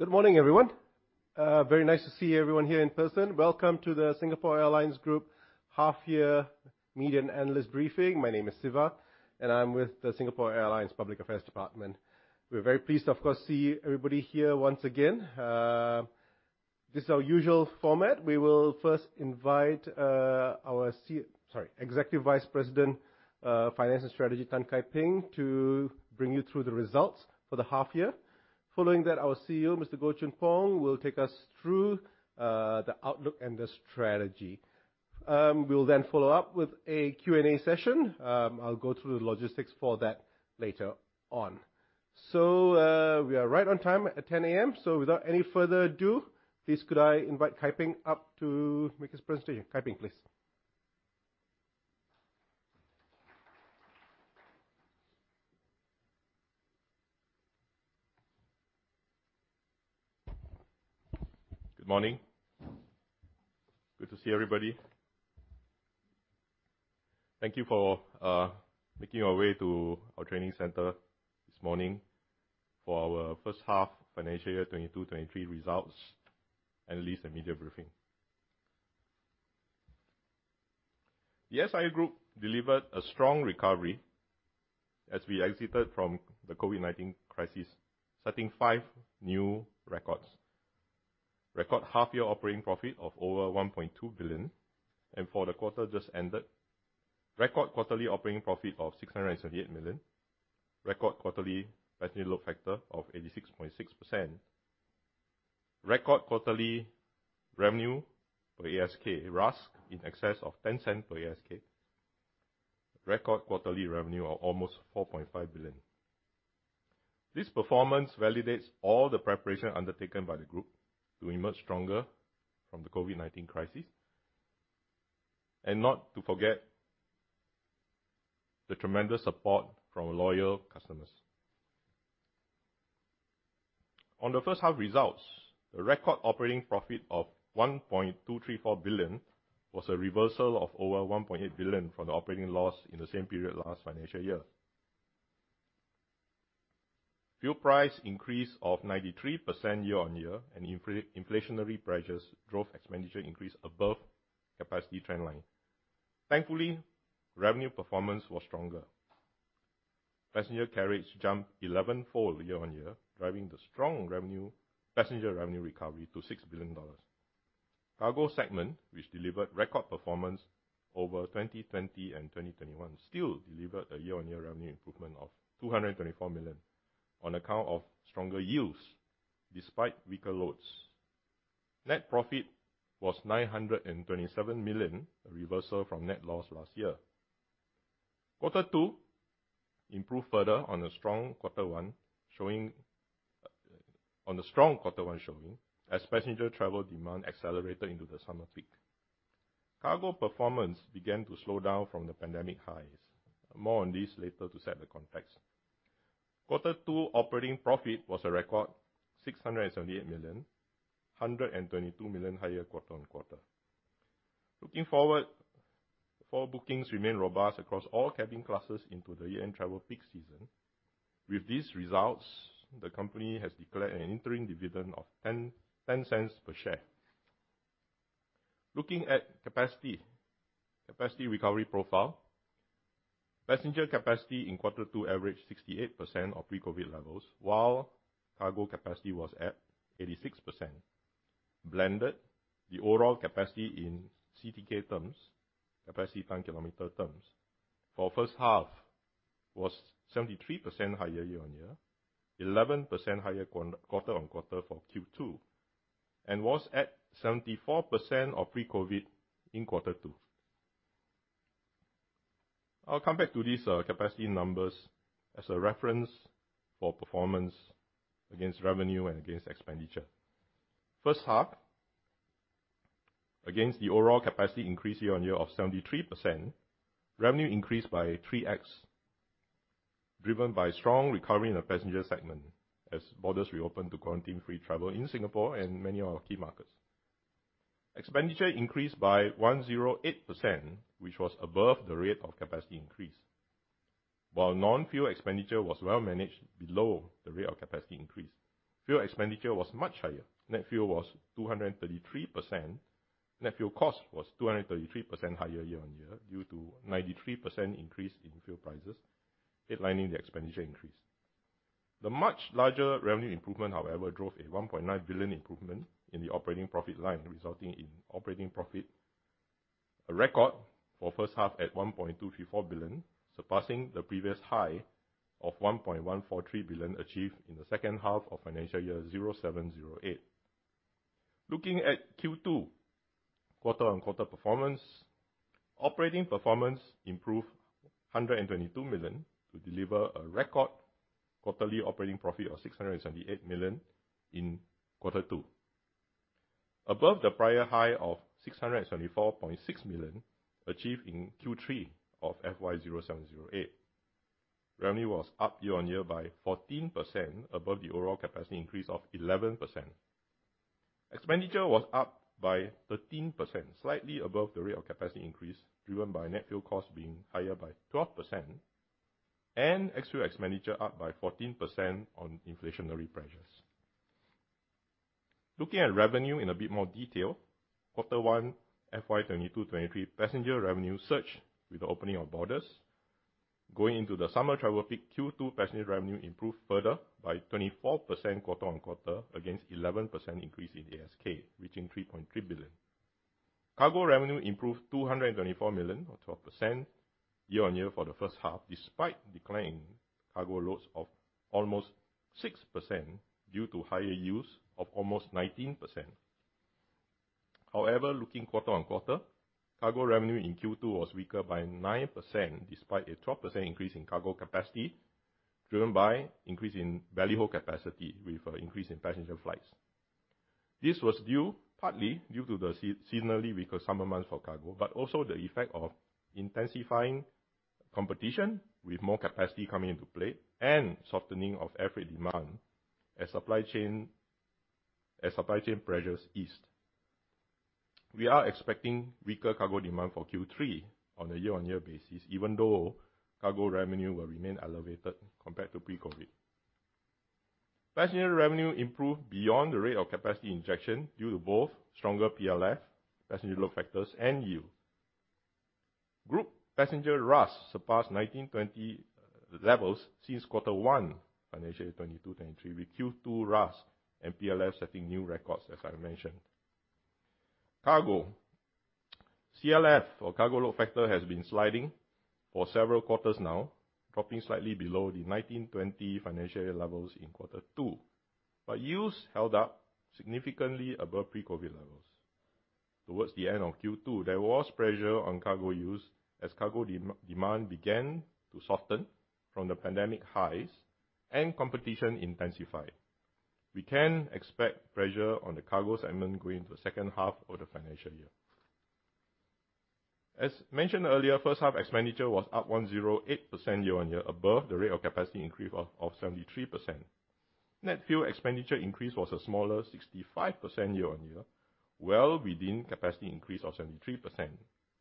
Good morning, everyone. Very nice to see everyone here in person. Welcome to the Singapore Airlines Group half year media and analyst briefing. My name is Siva, and I'm with the Singapore Airlines Public Affairs department. We're very pleased, of course, to see everybody here once again. This is our usual format. We will first invite our Executive Vice President, Finance and Strategy, Tan Kai Ping, to bring you through the results for the half year. Following that, our CEO, Mr. Goh Choon Phong, will take us through the outlook and the strategy. We will then follow up with a Q&A session. I'll go through the logistics for that later on. We are right on time at 10:00 A.M. Without any further ado, please could I invite Kai Ping up to make his presentation? Kai Ping, please. Good morning. Good to see everybody. Thank you for making your way to our training center this morning for our first half financial year 2022/2023 results analyst and media briefing. The SIA Group delivered a strong recovery as we exited from the COVID-19 crisis, setting five new records. Record half-year operating profit of over $1.2 billion. For the quarter just ended, record quarterly operating profit of $678 million. Record quarterly passenger load factor of 86.6%. Record quarterly revenue per ASK, RASK in excess of $0.10 per ASK. Record quarterly revenue of almost $4.5 billion. This performance validates all the preparation undertaken by the group to emerge stronger from the COVID-19 crisis and not to forget the tremendous support from our loyal customers. On the first half results, the record operating profit of $1.234 billion was a reversal of over $1.8 billion from the operating loss in the same period last financial year. Fuel price increase of 93% year-on-year and inflationary pressures drove expenditure increase above capacity trend line. Thankfully, revenue performance was stronger. Passenger carriage jumped 11-fold year-on-year, driving the strong revenue, passenger revenue recovery to $6 billion. Cargo segment, which delivered record performance over 2020 and 2021, still delivered a year-on-year revenue improvement of $224 million on account of stronger yields despite weaker loads. Net profit was $927 million, a reversal from net loss last year. Quarter two improved further on a strong quarter one showing as passenger travel demand accelerated into the summer peak. Cargo performance began to slow down from the pandemic highs. More on this later to set the context. Quarter two operating profit was a record $678 million, $122 million higher quarter-on-quarter. Looking forward bookings remain robust across all cabin classes into the year-end travel peak season. With these results, the company has declared an interim dividend of $0.10 per share. Looking at capacity recovery profile, passenger capacity in quarter two averaged 68% of pre-COVID levels, while cargo capacity was at 86%. Blended the overall capacity in CTK terms, capacity ton kilometer terms, for first half was 73% higher year-on-year, 11% higher quarter-on-quarter for Q2, and was at 74% of pre-COVID in quarter two. I'll come back to these, capacity numbers as a reference for performance against revenue and against expenditure. First half, against the overall capacity increase year-on-year of 73%, revenue increased by 3x, driven by strong recovery in the passenger segment as borders reopened to quarantine-free travel in Singapore and many of our key markets. Expenditure increased by 108%, which was above the rate of capacity increase. While non-fuel expenditure was well managed below the rate of capacity increase, fuel expenditure was much higher. Net fuel was 233%. Net fuel cost was 233% higher year-on-year due to 93% increase in fuel prices, headlining the expenditure increase. The much larger revenue improvement, however, drove a $1.9 billion improvement in the operating profit line, resulting in operating profit, a record for first half, at $1.234 billion, surpassing the previous high of $1.143 billion achieved in the second half of financial year 2007/2008. Looking at Q2 quarter-on-quarter performance, operating performance improved $122 million to deliver a record quarterly operating profit of $678 million in quarter two, above the prior high of $674.6 million achieved in Q3 of FY 2007/2008. Revenue was up year-on-year by 14% above the overall capacity increase of 11%. Expenditure was up by 13%, slightly above the rate of capacity increase, driven by net fuel costs being higher by 12% and other expenditure up by 14% on inflationary pressures. Looking at revenue in a bit more detail, quarter one FY 2022/2023 passenger revenue surged with the opening of borders. Going into the summer travel peak, Q2 passenger revenue improved further by 24% quarter-on-quarter against 11% increase in ASK, reaching $3.3 billion. Cargo revenue improved $224 million or 12% year-on-year for the first half, despite declining cargo loads of almost 6% due to higher yields of almost 19%. However, looking quarter-on-quarter, cargo revenue in Q2 was weaker by 9% despite a 12% increase in cargo capacity, driven by increase in belly hold capacity with an increase in passenger flights. This was due partly to the seasonally weaker summer months for cargo, but also the effect of intensifying competition with more capacity coming into play and softening of overall demand as supply chain pressures eased. We are expecting weaker cargo demand for Q3 on a year-on-year basis, even though cargo revenue will remain elevated compared to pre-COVID. Passenger revenue improved beyond the rate of capacity injection due to both stronger PLF, passenger load factors, and yield. Group passenger RASK surpassed 2019/2020 levels since Q1 financial year 2022/2023, with Q2 RASK and PLF setting new records, as I mentioned. Cargo. CLF or cargo load factor has been sliding for several quarters now, dropping slightly below the 2019/2020 financial year levels in quarter two, but yield held up significantly above pre-COVID levels. Towards the end of Q2, there was pressure on cargo yield as cargo demand began to soften from the pandemic highs and competition intensified. We can expect pressure on the cargo segment going into the second half of the financial year. As mentioned earlier, first half expenditure was up 108% year-on-year above the rate of capacity increase of 73%. Net fuel expenditure increase was a smaller 65% year-on-year, well within capacity increase of 73%.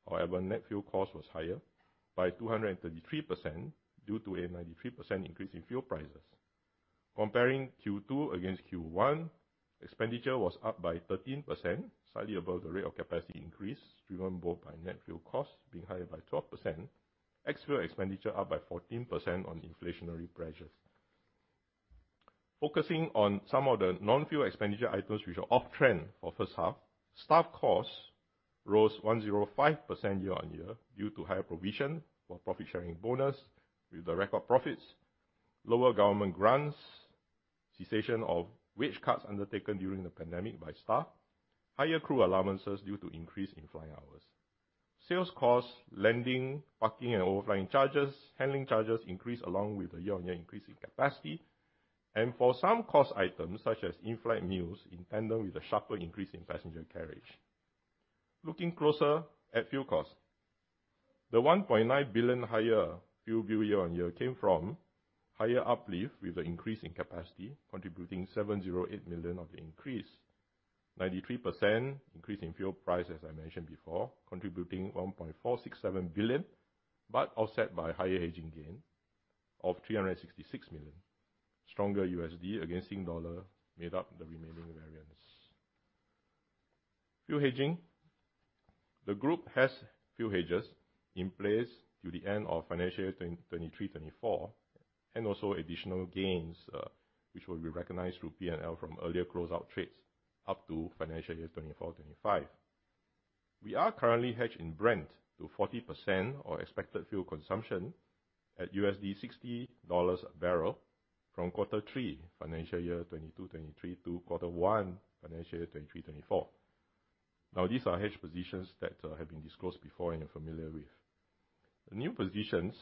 However, net fuel cost was higher by 233% due to a 93% increase in fuel prices. Comparing Q2 against Q1, expenditure was up by 13%, slightly above the rate of capacity increase, driven both by net fuel costs being higher by 12%, ex-fuel expenditure up by 14% on inflationary pressures. Focusing on some of the non-fuel expenditure items which are off trend for first half, staff costs rose 105% year-on-year due to higher provision for profit-sharing bonus with the record profits, lower government grants, cessation of wage cuts undertaken during the pandemic by staff, higher crew allowances due to increase in flying hours. Sales costs, landing, parking and overflying charges, handling charges increased along with the year-on-year increase in capacity and for some cost items such as in-flight meals in tandem with a sharper increase in passenger carriage. Looking closer at fuel costs. The $1.9 billion higher fuel bill year-on-year came from higher uplift with an increase in capacity contributing $708 million of the increase. 93% increase in fuel price, as I mentioned before, contributing $1.467 billion, but offset by higher hedging gain of $366 million. Stronger USD against Sing dollar made up the remaining variance. Fuel hedging. The group has fuel hedges in place to the end of financial year 2023/2024, and also additional gains, which will be recognized through P&L from earlier close out trades up to financial year 2024/2025. We are currently hedged in Brent to 40% our expected fuel consumption at $60 a barrel from quarter three financial year 2022/2023 to quarter one financial year 2023/2024. Now these are hedge positions that have been disclosed before and you're familiar with. The new positions,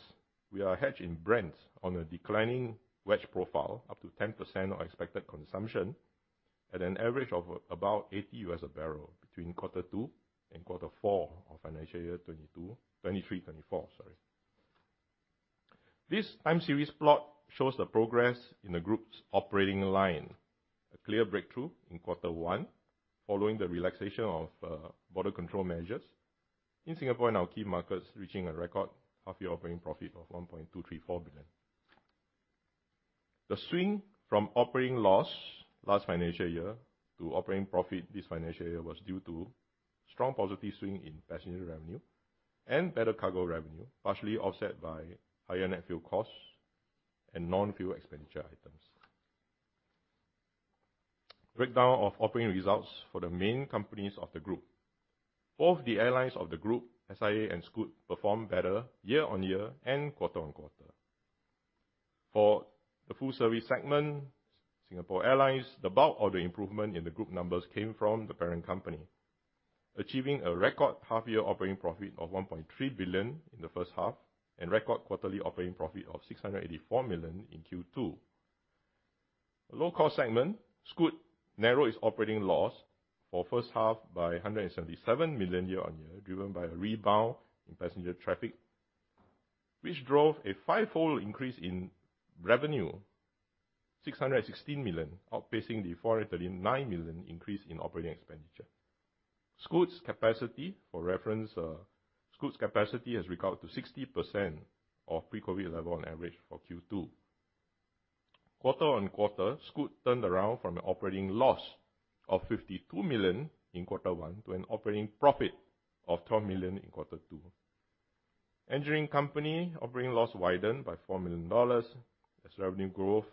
we are hedged in Brent on a declining wedge profile up to 10% of expected consumption at an average of about $80 a barrel between quarter two and quarter four of financial year 2023/2024. This time series plot shows the progress in the group's operating line. A clear breakthrough in quarter one following the relaxation of border control measures in Singapore and our key markets reaching a record half-year operating profit of $1.234 billion. The swing from operating loss last financial year to operating profit this financial year was due to strong positive swing in passenger revenue and better cargo revenue, partially offset by higher net fuel costs and non-fuel expenditure items. Breakdown of operating results for the main companies of the group. Both the airlines of the group, SIA and Scoot, performed better year-on-year and quarter-on-quarter. For the full service segment, Singapore Airlines, the bulk of the improvement in the group numbers came from the parent company, achieving a record half-year operating profit of $1.3 billion in the first half and record quarterly operating profit of $684 million in Q2. Low cost segment, Scoot narrowed its operating loss for first half by $177 million year-on-year, driven by a rebound in passenger traffic which drove a fivefold increase in revenue, $616 million, outpacing the $439 million increase in operating expenditure. Scoot's capacity for reference, Scoot's capacity has recovered to 60% of pre-COVID level on average for Q2. Quarter-on-quarter, Scoot turned around from an operating loss of $52 million in quarter one to an operating profit of $12 million in quarter two. Engineering company operating loss widened by $4 million as revenue growth,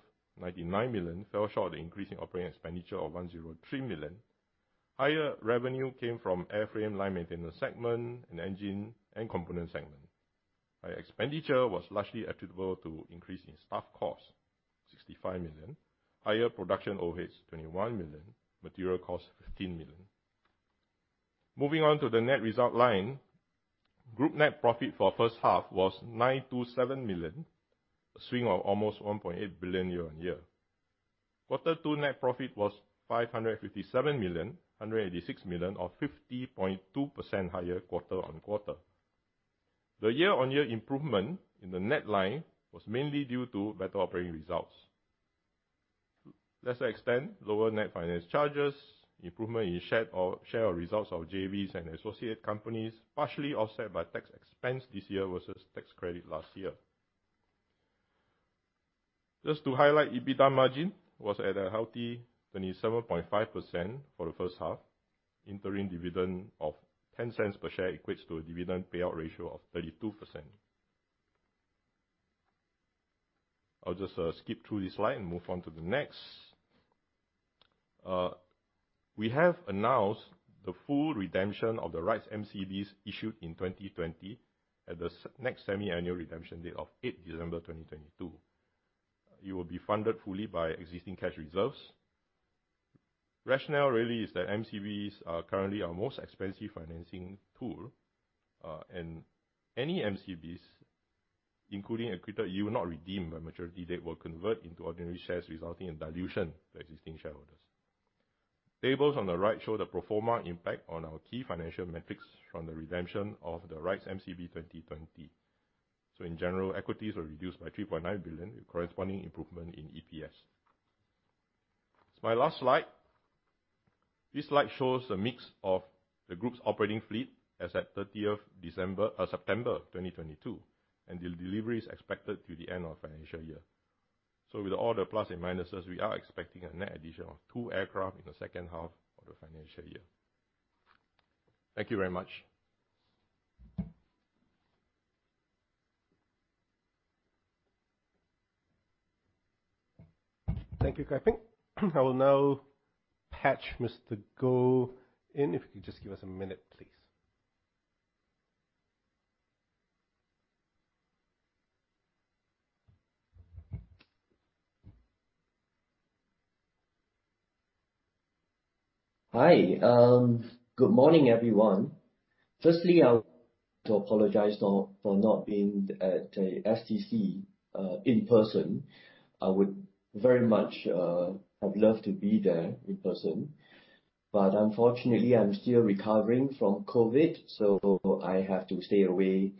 $99 million, fell short of the increase in operating expenditure of $103 million. Higher revenue came from airframe line maintenance segment and engine and component segment. Higher expenditure was largely attributable to increase in staff costs, $65 million, higher production overheads, $21 million, material costs, $15 million. Moving on to the net result line. Group net profit for first half was $927 million, a swing of almost $1.8 billion year-on-year. Quarter two net profit was $557 million, $186 million, or 50.2% higher quarter-on-quarter. The year-on-year improvement in the net line was mainly due to better operating results. Less expense, lower net finance charges, improvement in share of results of JVs and associate companies, partially offset by tax expense this year versus tax credit last year. Just to highlight, EBITDA margin was at a healthy 27.5% for the first half. Interim dividend of $0.10 per share equates to a dividend payout ratio of 32%. I'll just skip through this slide and move on to the next. We have announced the full redemption of the 2020 MCBs issued in 2020 at the next semi-annual redemption date of 8 December 2022. It will be funded fully by existing cash reserves. Rationale really is that MCBs are currently our most expensive financing tool, and any MCBs, including any that you will not redeem by maturity date, will convert into ordinary shares, resulting in dilution to existing shareholders. Tables on the right show the pro forma impact on our key financial metrics from the redemption of the MCBs 2020. In general, liabilities were reduced by $3.9 billion, with corresponding improvement in EPS. It's my last slide. This slide shows the mix of the group's operating fleet as at 30 September 2022, and the delivery is expected through the end of financial year. With all the plus and minuses, we are expecting a net addition of two aircraft in the second half of the financial year. Thank you very much. Thank you, Kai Ping. I will now patch Mr. Goh in. If you could just give us a minute, please. Hi. Good morning, everyone. Firstly, I would like to apologize for not being at the [STC] in person. I would very much have loved to be there in person, but unfortunately, I'm still recovering from COVID, so I have to stay away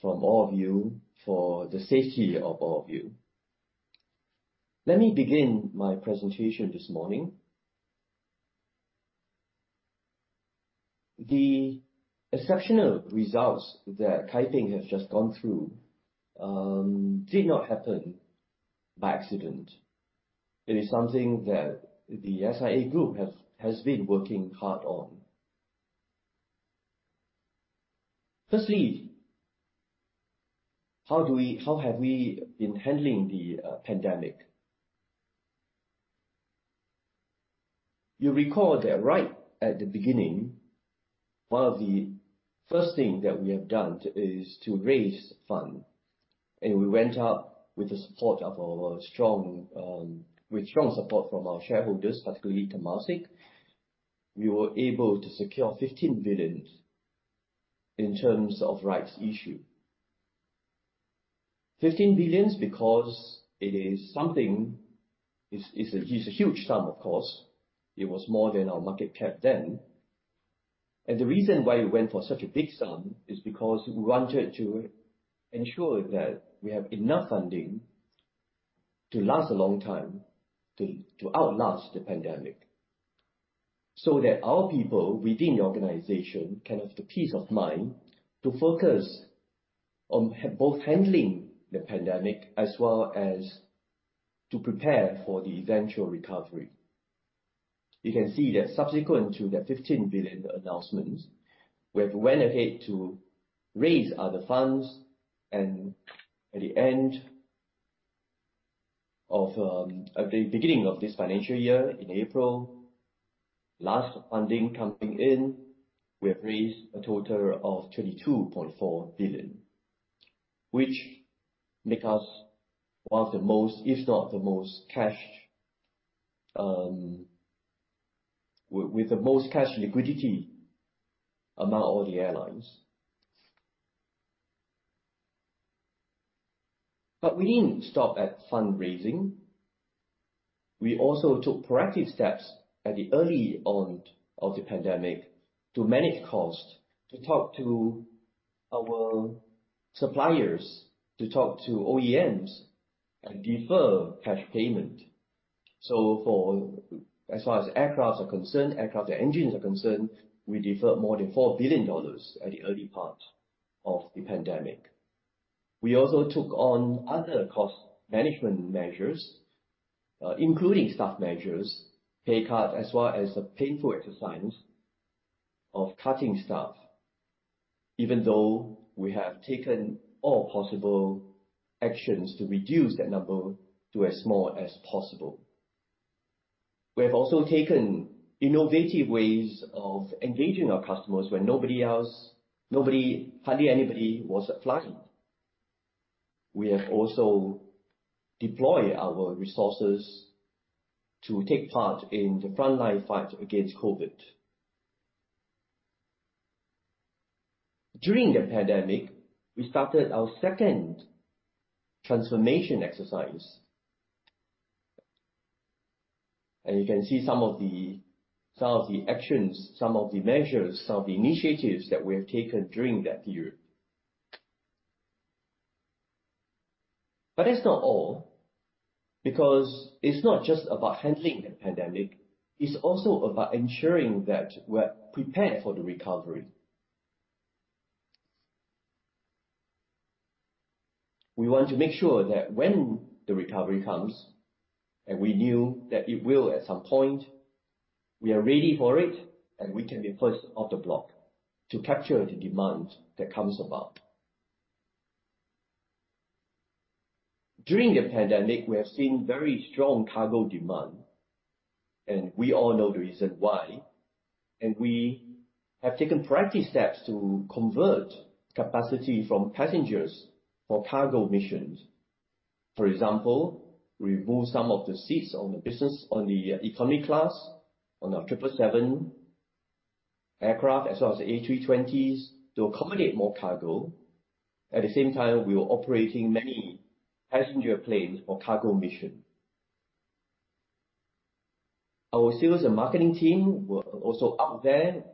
from all of you for the safety of all of you. Let me begin my presentation this morning. The exceptional results that Kai Ping has just gone through did not happen by accident. It is something that the SIA Group has been working hard on. Firstly, how have we been handling the pandemic? You'll recall that right at the beginning, one of the first thing that we have done is to raise fund, and we went out with strong support from our shareholders, particularly Temasek. We were able to secure $15 billion in terms of rights issue. $15 billion because it is something a huge sum, of course. It was more than our market cap then. The reason why we went for such a big sum is because we wanted to ensure that we have enough funding to last a long time, to outlast the pandemic, so that our people within the organization can have the peace of mind to focus on both handling the pandemic as well as to prepare for the eventual recovery. You can see that subsequent to the $15 billion announcements, we have went ahead to raise other funds. At the beginning of this financial year in April, last funding coming in, we have raised a total of $22.4 billion, which make us one of the most, if not the most cash-rich, with the most cash liquidity among all the airlines. We didn't stop at fundraising. We also took proactive steps at the early on of the pandemic to manage costs, to talk to our suppliers, to talk to OEMs and defer cash payment. For, as far as aircraft are concerned, aircraft engines are concerned, we deferred more than $4 billion at the early part of the pandemic. We also took on other cost management measures, including staff measures, pay cuts, as well as the painful exercise of cutting staff, even though we have taken all possible actions to reduce that number to as small as possible. We have also taken innovative ways of engaging our customers when nobody else, nobody, hardly anybody was flying. We have also deployed our resources to take part in the frontline fight against COVID. During the pandemic, we started our second transformation exercise. You can see some of the actions, some of the measures, some of the initiatives that we have taken during that period. That's not all, because it's not just about handling the pandemic, it's also about ensuring that we're prepared for the recovery. We want to make sure that when the recovery comes, and we knew that it will at some point, we are ready for it, and we can be first off the block to capture the demand that comes about. During the pandemic, we have seen very strong cargo demand, and we all know the reason why. We have taken proactive steps to convert capacity from passengers for cargo missions. For example, remove some of the seats on the economy class, on our 777 aircraft as well as the A320s to accommodate more cargo. At the same time, we were operating many passenger planes for cargo mission. Our sales and marketing team were also out there,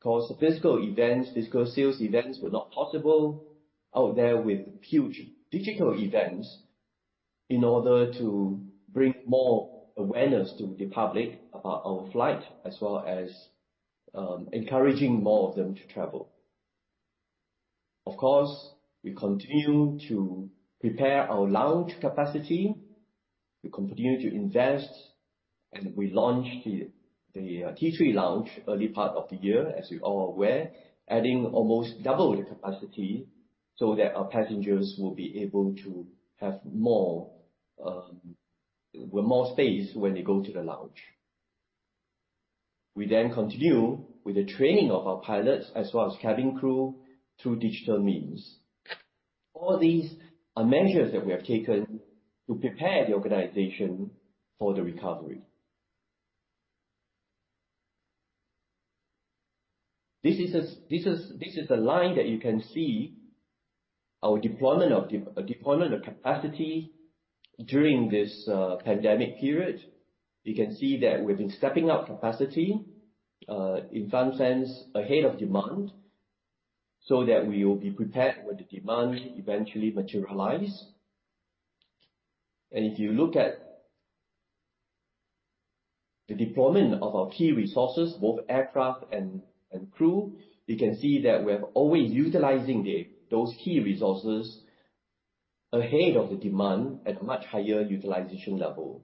'cause physical events, physical sales events were not possible, out there with huge digital events in order to bring more awareness to the public about our flight, as well as encouraging more of them to travel. Of course, we continue to prepare our lounge capacity. We continue to invest, and we launched the T3 lounge early part of the year, as you all are aware, adding almost double the capacity so that our passengers will be able to have more space when they go to the lounge. We continue with the training of our pilots as well as cabin crew through digital means. All these are measures that we have taken to prepare the organization for the recovery. This is a line that you can see our deployment of capacity during this pandemic period. You can see that we've been stepping up capacity in some sense ahead of demand, so that we will be prepared when the demand eventually materialize. If you look at the deployment of our key resources, both aircraft and crew, you can see that we're always utilizing those key resources ahead of the demand at a much higher utilization level.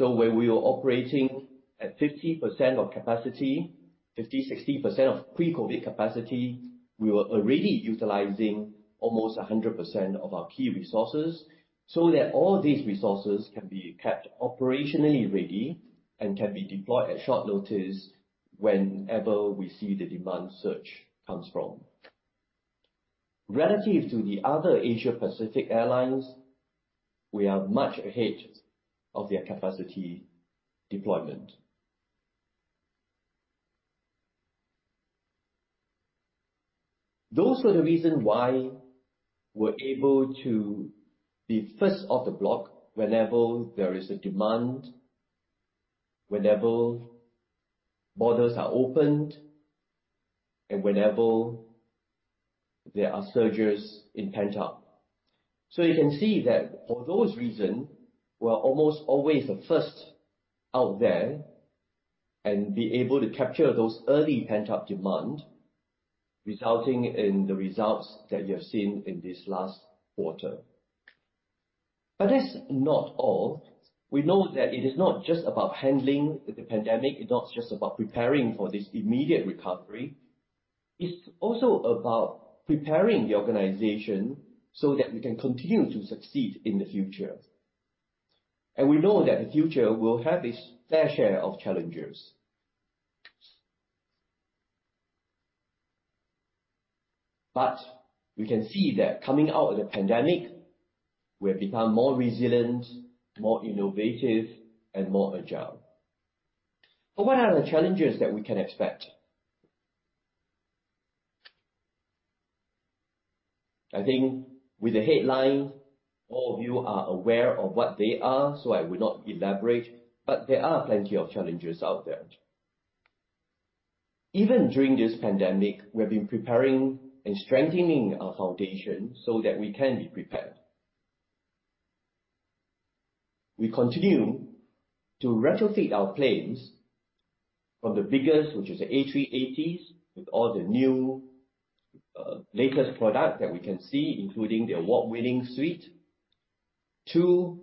When we were operating at 50% of capacity, 50%-60% of pre-COVID capacity, we were already utilizing almost 100% of our key resources, so that all these resources can be kept operationally ready and can be deployed at short notice whenever we see the demand surge comes from. Relative to the other Asia Pacific airlines, we are much ahead of their capacity deployment. Those were the reason why we're able to be first off the block whenever there is a demand, whenever borders are opened, and whenever there are surges in pent-up. You can see that for those reason, we're almost always the first out there and be able to capture those early pent-up demand, resulting in the results that you have seen in this last quarter. That's not all. We know that it is not just about handling the pandemic, it's not just about preparing for this immediate recovery. It's also about preparing the organization so that we can continue to succeed in the future. We know that the future will have its fair share of challenges. We can see that coming out of the pandemic, we have become more resilient, more innovative, and more agile. What are the challenges that we can expect? I think with the headline, all of you are aware of what they are, so I will not elaborate, but there are plenty of challenges out there. Even during this pandemic, we have been preparing and strengthening our foundation so that we can be prepared. We continue to retrofit our planes from the biggest, which is the A380s, with all the new latest product that we can see, including the award-winning suite, to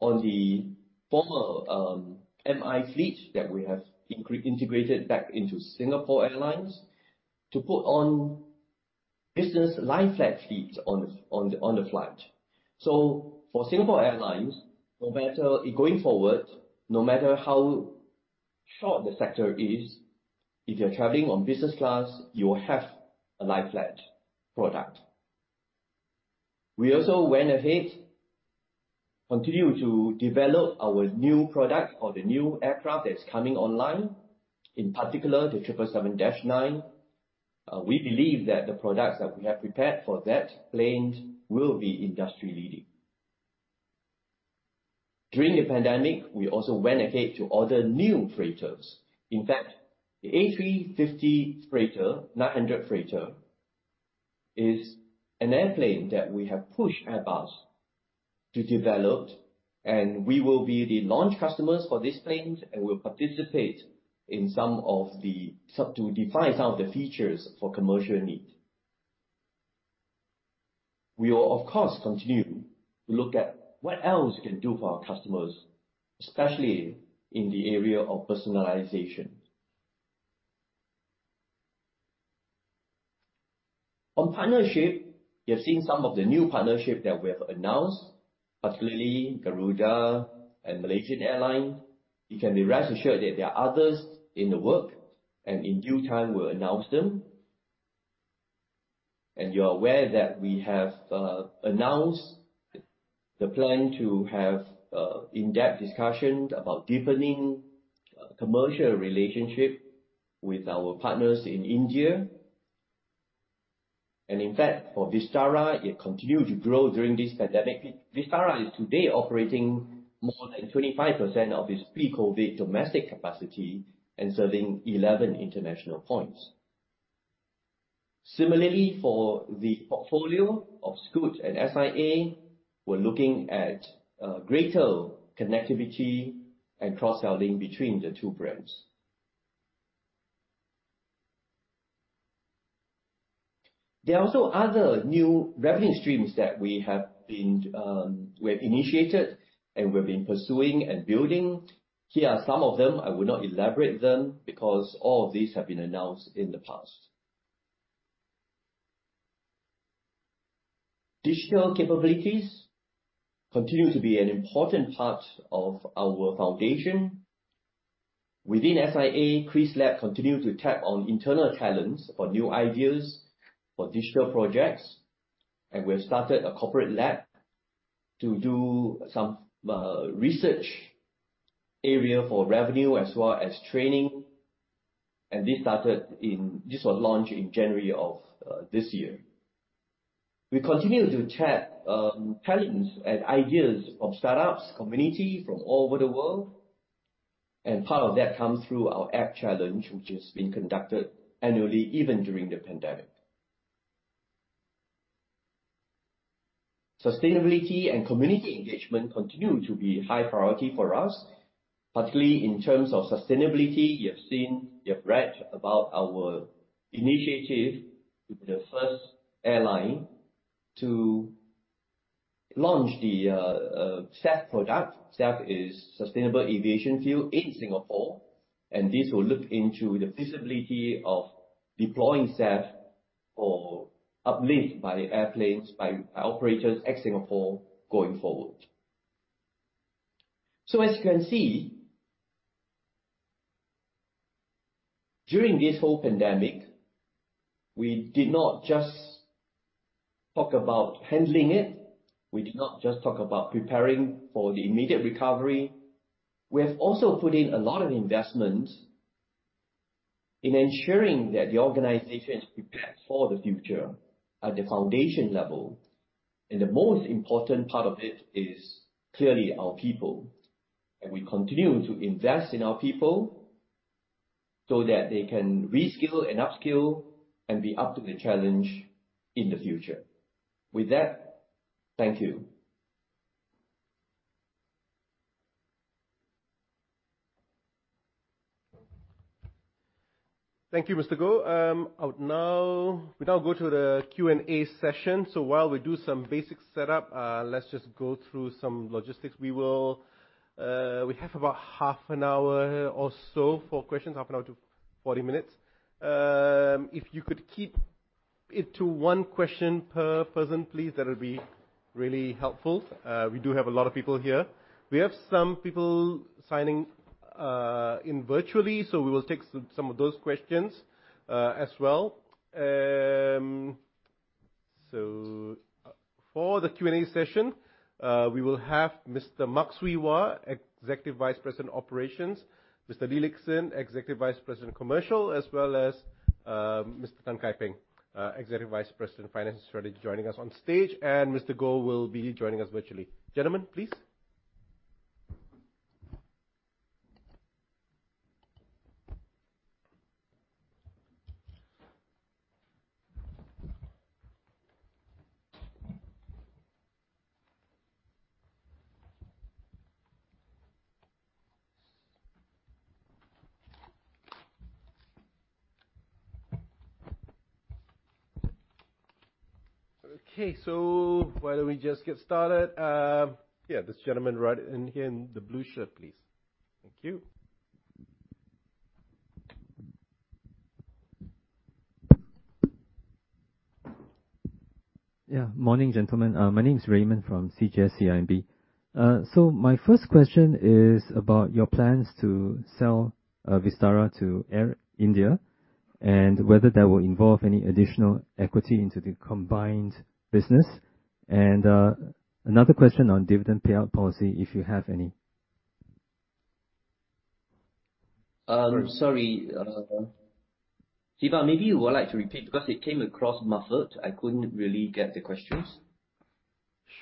on the former MI fleet that we have integrated back into Singapore Airlines to put on business lie-flat fleet on the flight. Going forward, no matter how short the sector is, if you're traveling on business class, you will have a lie flat product. We also went ahead and continued to develop our new product or the new aircraft that's coming online, in particular the 777-9. We believe that the products that we have prepared for that plane will be industry-leading. During the pandemic, we also went ahead to order new freighters. In fact, the A350-900 freighter is an airplane that we have pushed Airbus to develop, and we will be the launch customers for this plane, and we'll participate to define some of the features for commercial need. We will, of course, continue to look at what else we can do for our customers, especially in the area of personalization. On partnership, you have seen some of the new partnership that we have announced, particularly Garuda and Malaysia Airlines. You can rest assured that there are others in the works, and in due time we'll announce them. You're aware that we have announced the plan to have in-depth discussions about deepening commercial relationship with our partners in India. In fact, for Vistara, it continued to grow during this pandemic. Vistara is today operating more than 25% of its pre-COVID-19 domestic capacity and serving 11 international points. Similarly, for the portfolio of Scoot and SIA, we're looking at greater connectivity and cross-selling between the two brands. There are also other new revenue streams that we have initiated and we've been pursuing and building. Here are some of them. I will not elaborate them because all of these have been announced in the past. Digital capabilities continue to be an important part of our foundation. Within SIA, KrisLab continue to tap on internal talents for new ideas for digital projects. We have started a corporate lab to do some research area for revenue as well as training. This was launched in January of this year. We continue to tap talents and ideas from start-ups, community from all over the world, and part of that comes through our app challenge, which has been conducted annually, even during the pandemic. Sustainability and community engagement continue to be high priority for us, particularly in terms of sustainability. You have seen, you have read about our initiative to be the first airline to launch the SAF product. SAF is Sustainable Aviation Fuel in Singapore, and this will look into the feasibility of deploying SAF for uplift by airplanes by operators at Singapore going forward. As you can see, during this whole pandemic, we did not just talk about handling it, we did not just talk about preparing for the immediate recovery, we have also put in a lot of investment in ensuring that the organization is prepared for the future at the foundation level. The most important part of it is clearly our people, and we continue to invest in our people so that they can reskill and upskill and be up to the challenge in the future. With that, thank you. Thank you, Mr. Goh. We now go to the Q&A session. While we do some basic setup, let's just go through some logistics. We have about half an hour or so for questions, half an hour to 40 minutes. If you could keep it to one question per person, please, that'll be really helpful. We do have a lot of people here. We have some people joining in virtually, so we will take some of those questions as well. For the Q&A session, we will have Mr. Mak Swee Wah, Executive Vice President, Operations, Mr. Lee Lik Hsin, Executive Vice President, Commercial, as well as, Mr. Tan Kai Ping, Executive Vice President, Finance and Strategy, joining us on stage, and Mr. Goh will be joining us virtually. Gentlemen, please. Okay. Why don't we just get started? This gentleman right in here in the blue shirt, please. Thank you. Yeah. Morning, gentlemen. My name is Raymond from CGS-CIMB. So my first question is about your plans to sell Vistara to Air India and whether that will involve any additional equity into the combined business. Another question on dividend payout policy, if you have any. Sorry, Raymond. Maybe you would like to repeat because it came across muffled. I couldn't really get the questions.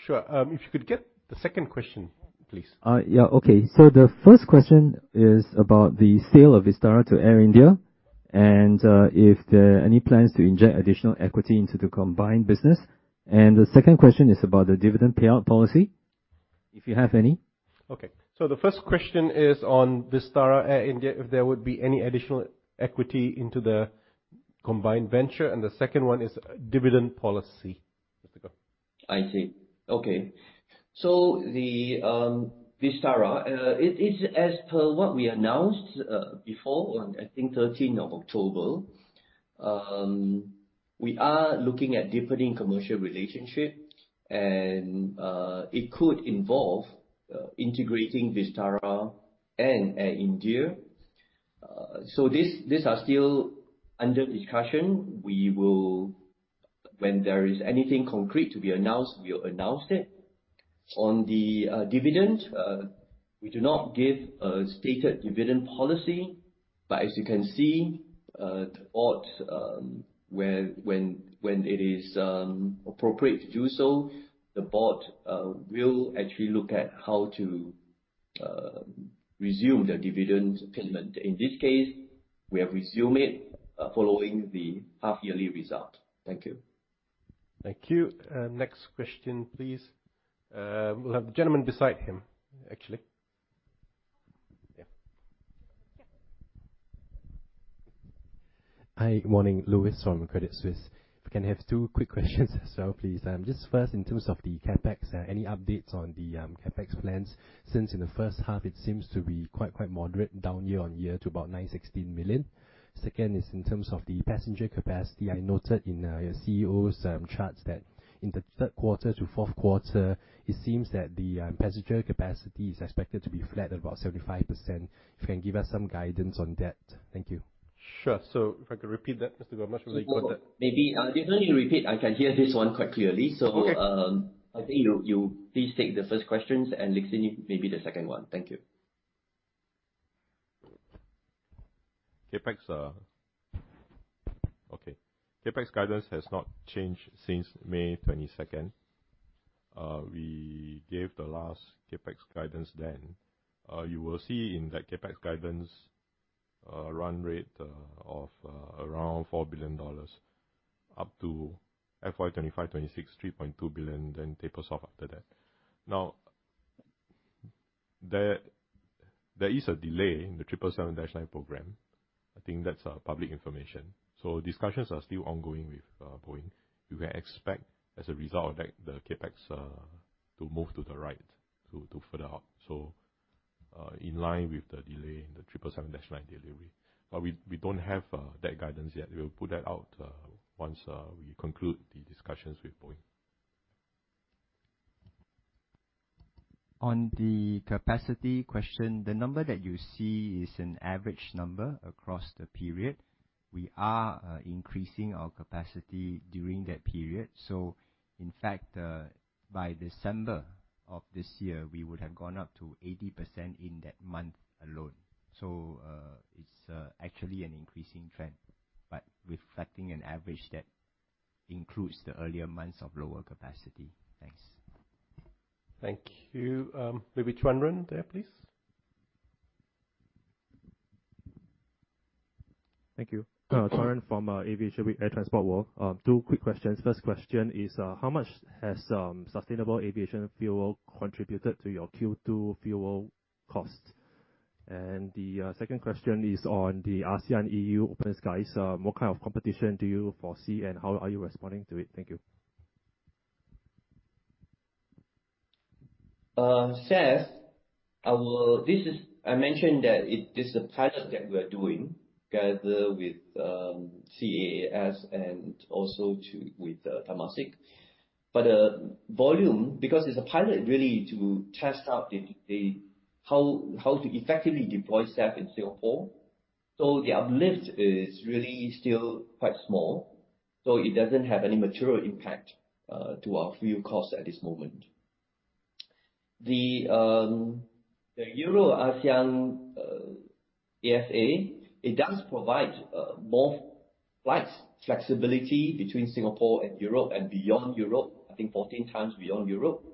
Sure. If you could get the second question, please. The first question is about the sale of Vistara to Air India and if there are any plans to inject additional equity into the combined business. The second question is about the dividend payout policy, if you have any. Okay. The first question is on Vistara-Air India, if there would be any additional equity into the combined venture. The second one is dividend policy. Mr. Goh. I see. Okay. The Vistara, it is as per what we announced before on, I think, 13 of October. We are looking at deepening commercial relationship and it could involve integrating Vistara and Air India. These are still under discussion. We will. When there is anything concrete to be announced, we'll announce it. On the dividend, we do not give a stated dividend policy. As you can see, though, when it is appropriate to do so, the board will actually look at how to resume the dividend payment. In this case, we have resumed it following the half-yearly result. Thank you. Thank you. Next question, please. We'll have the gentleman beside him, actually. Yeah. Hi. Morning. Louis from Credit Suisse. If we can have two quick questions as well, please. Just first in terms of the CapEx, any updates on the CapEx plans since in the first half it seems to be quite moderate down year-over-year to about $916 million. Second is in terms of the passenger capacity. I noted in your CEO's charts that in the third quarter to fourth quarter, it seems that the passenger capacity is expected to be flat at about 75%. If you can give us some guidance on that. Thank you. Sure. If I could repeat that, Mr. Goh. I'm not sure if you caught that. Maybe, you don't need to repeat. I can hear this one quite clearly. Okay. I think you please take the first questions and Lee Lik Hsin maybe the second one. Thank you. CapEx. Okay. CapEx guidance has not changed since May 22nd. We gave the last CapEx guidance then. You will see in that CapEx guidance a run rate of around $4 billion up to FY 2025/2026, $3.2 billion, then taper off after that. Now, there is a delay in the 777-9 program. I think that's public information. Discussions are still ongoing with Boeing. You can expect as a result of that, the CapEx to move to the right to further out. In line with the delay in the 777-9 delivery. We don't have that guidance yet. We'll put that out once we conclude the discussions with Boeing. On the capacity question, the number that you see is an average number across the period. We are increasing our capacity during that period. In fact, by December of this year, we would have gone up to 80% in that month alone. It's actually an increasing trend, but reflecting an average that includes the earlier months of lower capacity. Thanks. Thank you. Maybe Chen Chuanren there, please. Thank you. Chuanren from Aviation Week, Air Transport World. Two quick questions. First question is, how much has Sustainable Aviation Fuel contributed to your Q2 fuel cost? The second question is on the ASEAN-EU open skies. What kind of competition do you foresee, and how are you responding to it? Thank you. SAF, this is—I mentioned that it is a pilot that we're doing together with CAAS and also with Temasek. Volume, because it's a pilot really to test out how to effectively deploy SAF in Singapore. The uplift is really still quite small, so it doesn't have any material impact to our fuel cost at this moment. The ASEAN-EU CATA, it does provide more flights flexibility between Singapore and Europe and beyond Europe, I think 14x beyond Europe.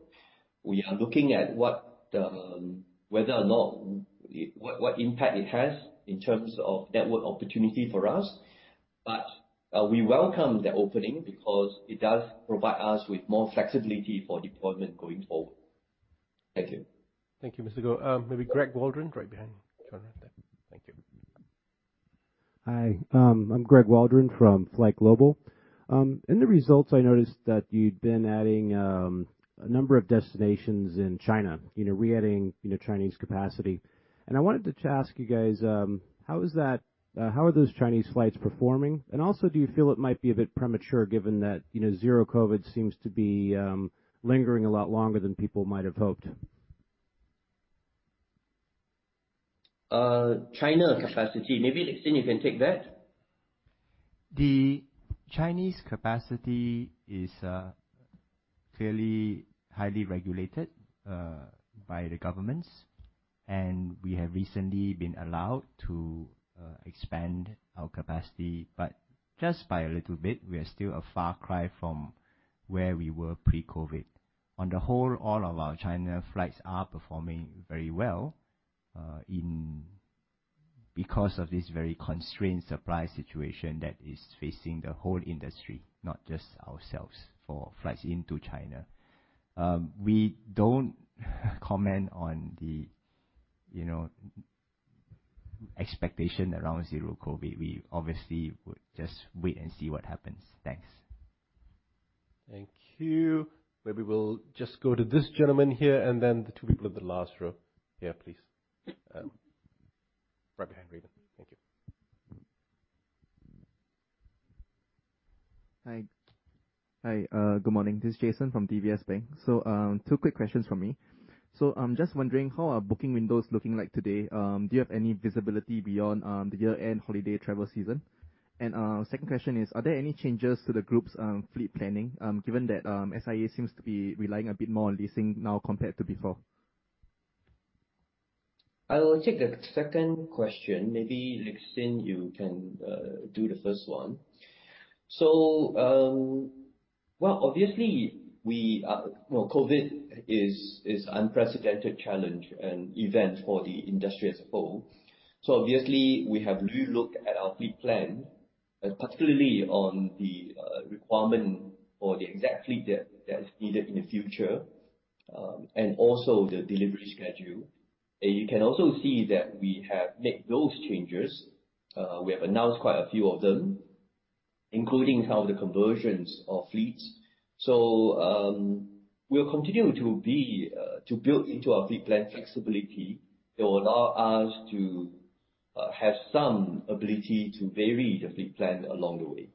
We are looking at what impact it has in terms of network opportunity for us. We welcome the opening because it does provide us with more flexibility for deployment going forward. Thank you. Thank you, Mr. Goh. Maybe Greg Waldron right behind you. Thank you. Hi, I'm Greg Waldron from FlightGlobal. In the results, I noticed that you'd been adding a number of destinations in China, you know, re-adding, you know, Chinese capacity. I wanted to ask you guys how are those Chinese flights performing? Also, do you feel it might be a bit premature given that, you know, zero-COVID seems to be lingering a lot longer than people might have hoped? China capacity. Maybe, Lik Hsin, you can take that. The Chinese capacity is fairly highly regulated by the governments, and we have recently been allowed to expand our capacity, but just by a little bit, we are still a far cry from where we were pre-COVID. On the whole, all of our China flights are performing very well because of this very constrained supply situation that is facing the whole industry, not just ourselves, for flights into China. We don't comment on the, you know, expectation around zero COVID. We obviously would just wait and see what happens. Thanks. Thank you. Maybe we'll just go to this gentleman here and then the two people at the last row. Yeah, please. Right behind Raymond. Thank you. Hi. Good morning. This is Jason from DBS Bank. Two quick questions from me. I'm just wondering, how are booking windows looking like today? Do you have any visibility beyond the year-end holiday travel season? Second question is, are there any changes to the group's fleet planning, given that SIA seems to be relying a bit more on leasing now compared to before? I will take the second question. Maybe, Lik Hsin, you can do the first one. Well, obviously, COVID is unprecedented challenge and event for the industry as a whole. Obviously we have re-looked at our fleet plan, particularly on the requirement for the exact fleet that is needed in the future, and also the delivery schedule. You can also see that we have made those changes. We have announced quite a few of them, including how the conversions of fleets. We'll continue to build into our fleet plan flexibility that will allow us to have some ability to vary the fleet plan along the way.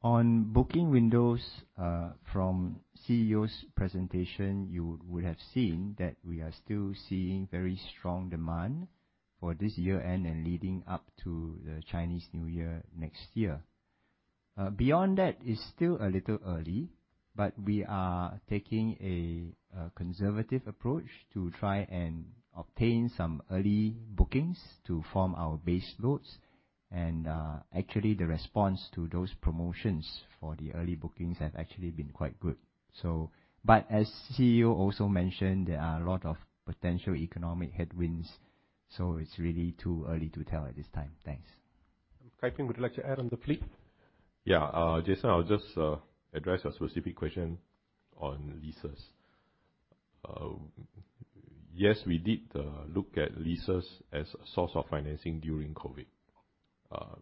Thank you. On booking windows, from CEO's presentation, you would have seen that we are still seeing very strong demand for this year-end and leading up to the Chinese New Year next year. Beyond that, it's still a little early, but we are taking a conservative approach to try and obtain some early bookings to form our base loads. Actually, the response to those promotions for the early bookings have actually been quite good. As CEO also mentioned, there are a lot of potential economic headwinds, so it's really too early to tell at this time. Thanks. Kai Ping, would you like to add on the fleet? Yeah. Jason, I'll just address a specific question on leases. Yes, we did look at leases as a source of financing during COVID.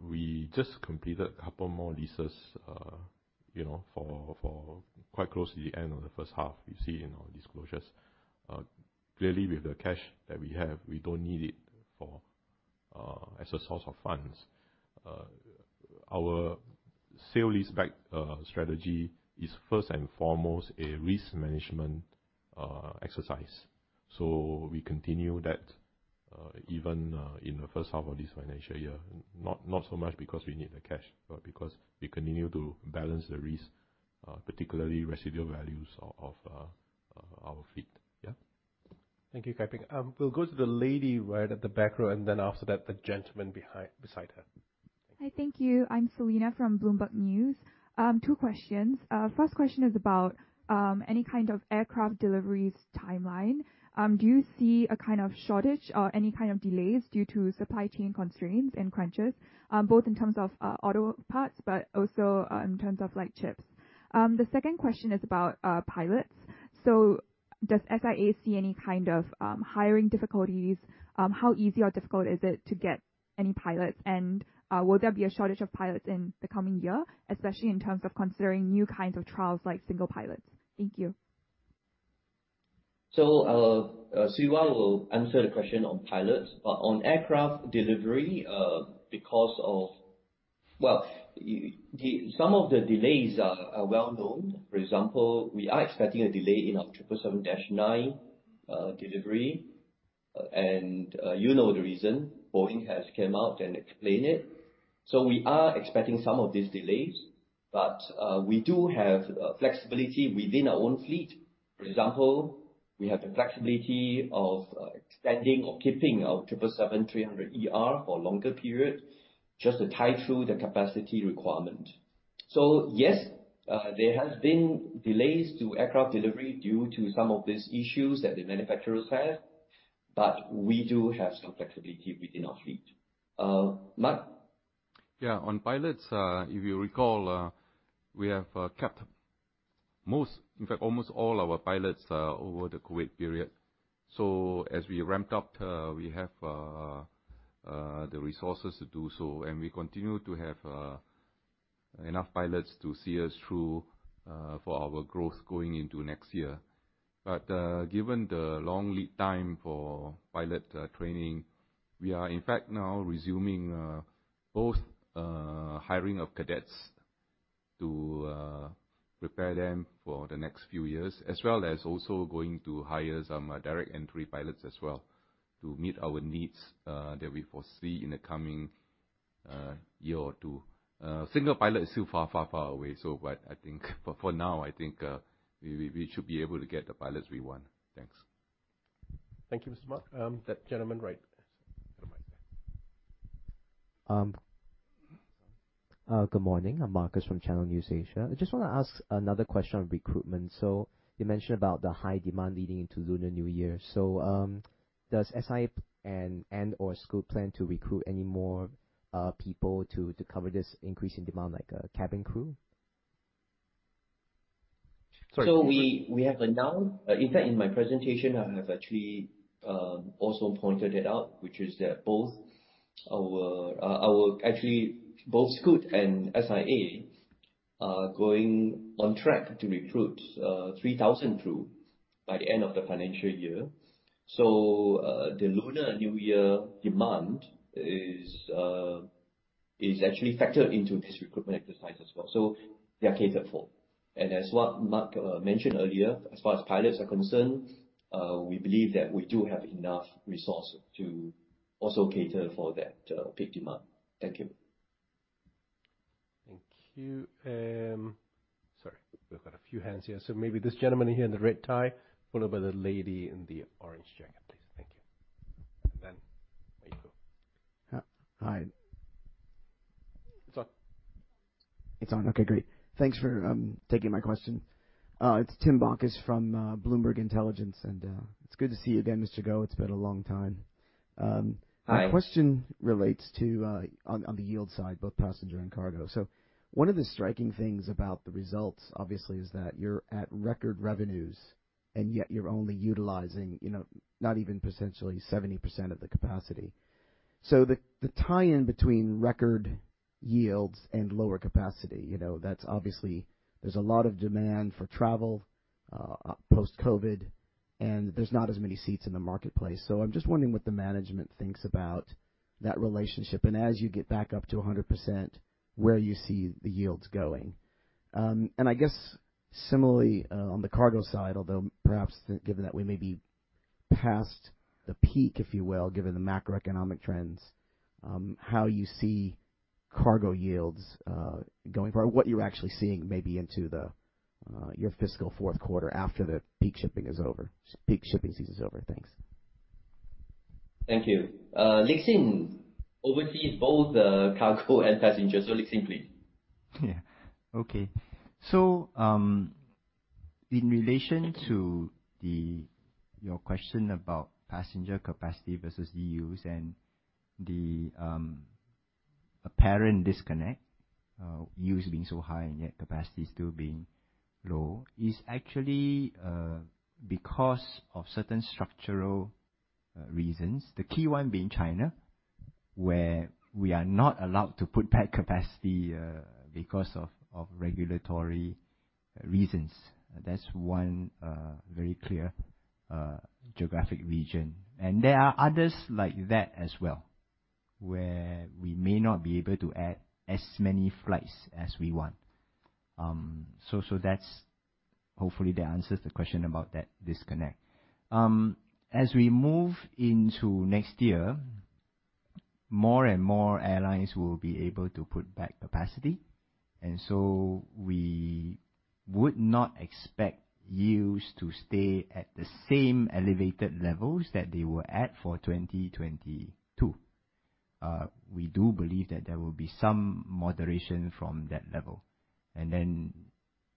We just completed a couple more leases, you know, for quite close to the end of the first half. You see in our disclosures. Clearly, with the cash that we have, we don't need it, as a source of funds. Our sale-leaseback strategy is first and foremost a risk management exercise. We continue that even in the first half of this financial year. Not so much because we need the cash, but because we continue to balance the risk, particularly residual values of our fleet. Yeah. Thank you, Kai Ping. We'll go to the lady right at the back row, and then after that, the gentleman behind, beside her. Hi. Thank you. I'm Selina from Bloomberg News. Two questions. First question is about any kind of aircraft deliveries timeline. Do you see a kind of shortage or any kind of delays due to supply chain constraints and crunches, both in terms of auto parts, but also in terms of, like, chips? The second question is about pilots. Does SIA see any kind of hiring difficulties? How easy or difficult is it to get any pilots? And will there be a shortage of pilots in the coming year, especially in terms of considering new kinds of trials like single pilots? Thank you. Swee Wah will answer the question on pilots. On aircraft delivery, some of the delays are well-known. For example, we are expecting a delay in our 777-9 delivery. You know the reason. Boeing has come out and explained it. We are expecting some of these delays, but we do have flexibility within our own fleet. For example, we have the flexibility of extending or keeping our 777-300ER for longer period, just to tie through the capacity requirement. Yes, there has been delays to aircraft delivery due to some of these issues that the manufacturers have, but we do have some flexibility within our fleet. Mak? Yeah. On pilots, if you recall, we have kept most, in fact, almost all our pilots over the COVID period. As we ramped up, we have the resources to do so, and we continue to have enough pilots to see us through for our growth going into next year. Given the long lead time for pilot training, we are in fact now resuming both hiring of cadets to prepare them for the next few years, as well as also going to hire some direct entry pilots as well to meet our needs that we foresee in the coming year or two. Single pilot is still far, far, far away, so. I think for now, we should be able to get the pilots we want. Thanks. Thank you, Mr. Mak. That gentleman, right. Good morning. I'm Marcus from Channel NewsAsia. I just wanna ask another question on recruitment. You mentioned about the high demand leading into Lunar New Year. Does SIA and/or Scoot plan to recruit any more people to cover this increase in demand, like cabin crew? We have announced. In fact, in my presentation, I have actually also pointed it out, which is that both Scoot and SIA are on track to recruit 3,000 crew by the end of the financial year. The Lunar New Year demand is actually factored into this recruitment exercise as well. They are catered for. As what Mak mentioned earlier, as far as pilots are concerned, we believe that we do have enough resources to also cater for that peak demand. Thank you. Thank you. Sorry, we've got a few hands here. Maybe this gentleman here in the red tie, followed by the lady in the orange jacket, please. Thank you. Then there you go. Hi. It's on. It's on? Okay, great. Thanks for taking my question. It's Tim Bacchus from Bloomberg Intelligence, and it's good to see you again, Mr. Goh. It's been a long time. Hi. My question relates to the yield side, both passenger and cargo. One of the striking things about the results, obviously, is that you're at record revenues, and yet you're only utilizing, you know, not even potentially 70% of the capacity. The tie-in between record yields and lower capacity, you know, that's obviously there's a lot of demand for travel post-COVID, and there's not as many seats in the marketplace. I'm just wondering what the management thinks about that relationship, and as you get back up to 100%, where you see the yields going. I guess similarly on the cargo side, although perhaps given that we may be past the peak, if you will, given the macroeconomic trends, how you see cargo yields going forward. What you're actually seeing maybe into your fiscal fourth quarter after the peak shipping season is over. Thanks. Thank you. Lik Hsin oversees both the cargo and passenger, so Lik Hsin, please. Yeah. Okay. In relation to your question about passenger capacity versus use and the apparent disconnect, use being so high and yet capacity still being low is actually because of certain structural reasons. The key one being China, where we are not allowed to put back capacity because of regulatory reasons. That's one very clear geographic region. There are others like that as well, where we may not be able to add as many flights as we want. That's hopefully that answers the question about that disconnect. As we move into next year, more and more airlines will be able to put back capacity, we would not expect yields to stay at the same elevated levels that they were at for 2022. We do believe that there will be some moderation from that level. Then,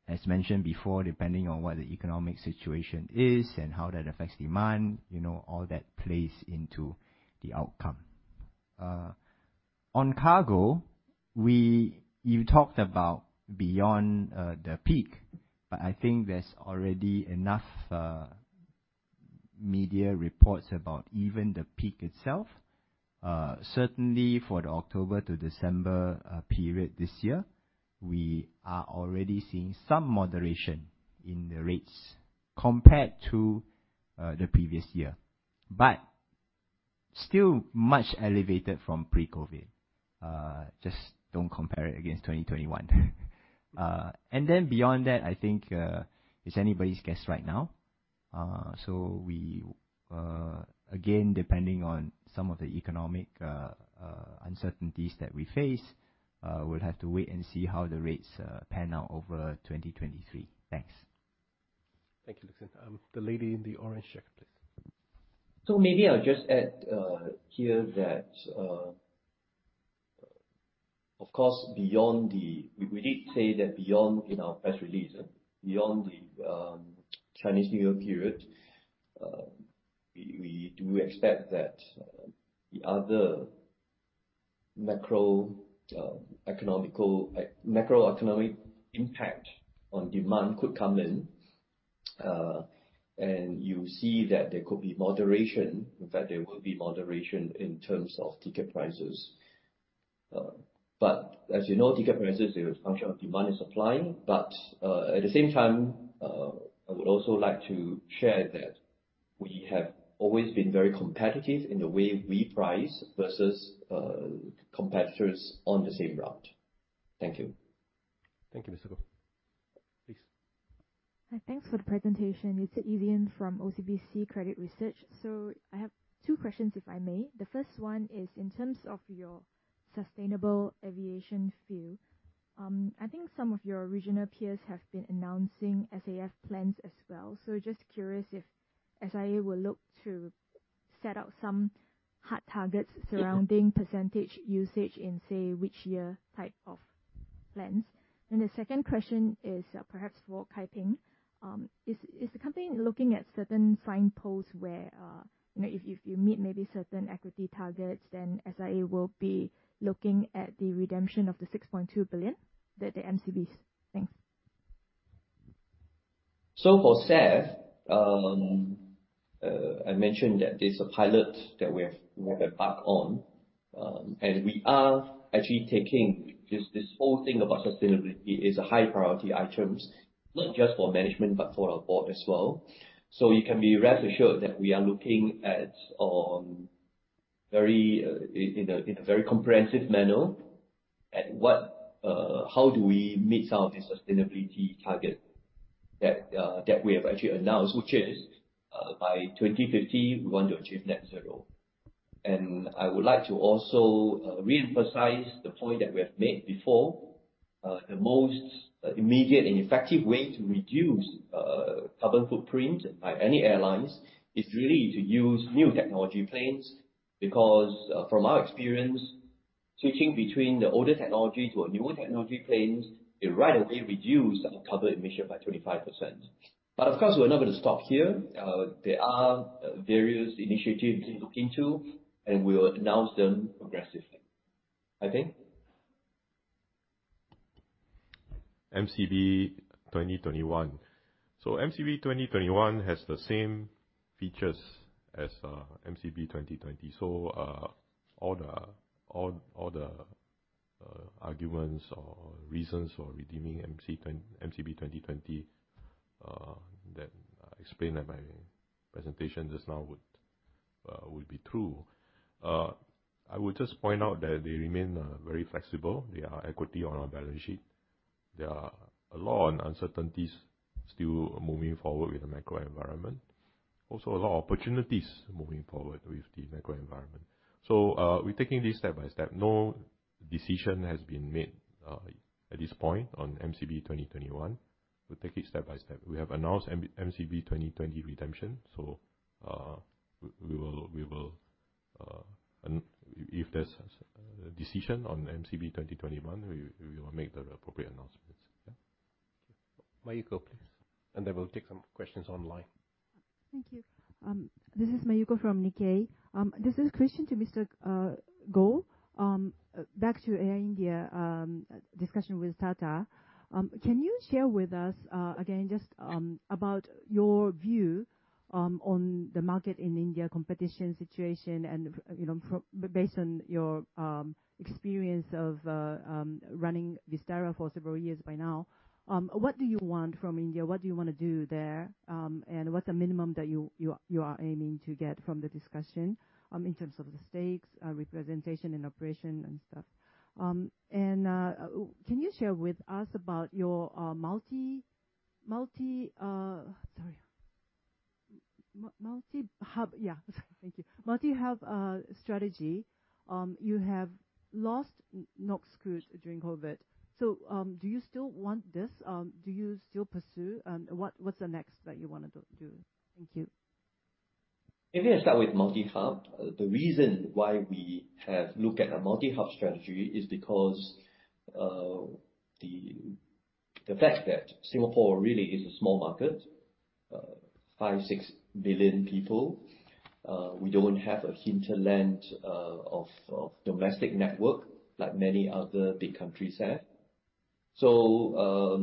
as mentioned before, depending on what the economic situation is and how that affects demand, you know, all that plays into the outcome. On cargo, you talked about beyond the peak, but I think there's already enough media reports about even the peak itself. Certainly for the October to December period this year, we are already seeing some moderation in the rates compared to the previous year. Still much elevated from pre-COVID. Just don't compare it against 2021. Beyond that, I think, it's anybody's guess right now. We again, depending on some of the economic uncertainties that we face, will have to wait and see how the rates pan out over 2023. Thanks. Thank you, Lik Hsin. The lady in the orange shirt, please. Maybe I'll just add here that, of course, we did say that beyond in our press release. Beyond the Chinese New Year period, we do expect that the other macroeconomic impact on demand could come in. You see that there could be moderation. In fact, there will be moderation in terms of ticket prices. As you know, ticket prices, they're a function of demand and supply. At the same time, I would also like to share that we have always been very competitive in the way we price versus competitors on the same route. Thank you. Thank you, Mr. Goh. Please. Hi. Thanks for the presentation. It's Ezien from OCBC Credit Research. I have two questions, if I may. The first one is in terms of your Sustainable Aviation Fuel. I think some of your regional peers have been announcing SAF plans as well. Just curious if SIA will look to set out some hard targets surrounding percentage usage in, say, which year type of plans. The second question is perhaps for Kai Ping. Is the company looking at certain signposts where you know, if you meet maybe certain equity targets, then SIA will be looking at the redemption of the $6.2 billion, the MCBs. Thanks. For SAF, I mentioned that there's a pilot that we have embarked on. We are actually taking this whole thing about sustainability as a high priority item, not just for management but for our board as well. You can be rest assured that we are looking at it in a very comprehensive manner at how do we meet some of the sustainability targets that we have actually announced, which is by 2050 we want to achieve net zero. I would like to also reemphasize the point that we have made before. The most immediate and effective way to reduce carbon footprint by any airlines is really to use new technology planes, because from our experience, switching between the older technology to a newer technology planes, it right away reduce our carbon emission by 25%. Of course, we're not gonna stop here. There are various initiatives we can look into, and we'll announce them progressively. Kai Ping? MCBs 2021. MCBs 2021 has the same features as MCB 2020. All the arguments or reasons for redeeming MCBs 2020 that I explained in my presentation just now would be true. I would just point out that they remain very flexible. They are equity on our balance sheet. There are a lot of uncertainties still moving forward with the macro environment. Also a lot of opportunities moving forward with the macro environment. We're taking this step by step. No decision has been made at this point on MCBs 2021. We'll take it step by step. We have announced MCBs 2020 redemption. We will. If there's a decision on MCBs 2021, we will make the appropriate announcements. Yeah. Mayuko, please. We'll take some questions online. Thank you. This is Mayuko from Nikkei. This is a question to Mr. Goh. Back to Air India discussion with Tata. Can you share with us again, just about your view on the market in India competition situation and, you know, based on your experience of running Vistara for several years by now. What do you want from India? What do you wanna do there? What's the minimum that you are aiming to get from the discussion in terms of the stakes representation in operation and stuff? Can you share with us about your multi-hub strategy. You have lost NokScoot during COVID. Do you still want this? Do you still pursue? What's the next that you wanna do? Thank you. Maybe I'll start with multi-hub. The reason why we have looked at a multi-hub strategy is because the fact that Singapore really is a small market, five, six million people. We don't have a hinterland of domestic network like many other big countries have. There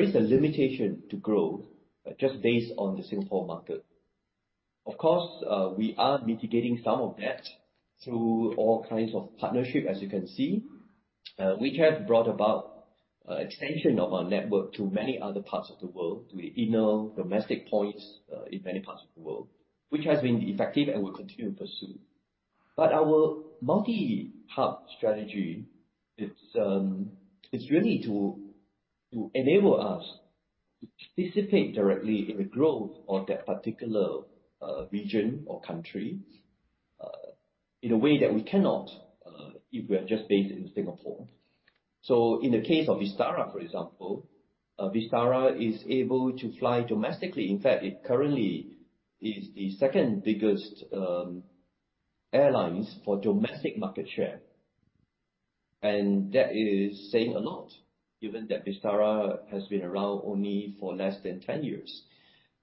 is a limitation to grow just based on the Singapore market. Of course, we are mitigating some of that through all kinds of partnership, as you can see. We have brought about extension of our network to many other parts of the world, to the Indian domestic points, in many parts of the world, which has been effective and we continue to pursue. Our multi-hub strategy, it's really to enable us to participate directly in the growth of that particular region or country in a way that we cannot if we are just based in Singapore. In the case of Vistara, for example, Vistara is able to fly domestically. In fact, it currently is the second biggest airlines for domestic market share. And that is saying a lot given that Vistara has been around only for less than 10 years.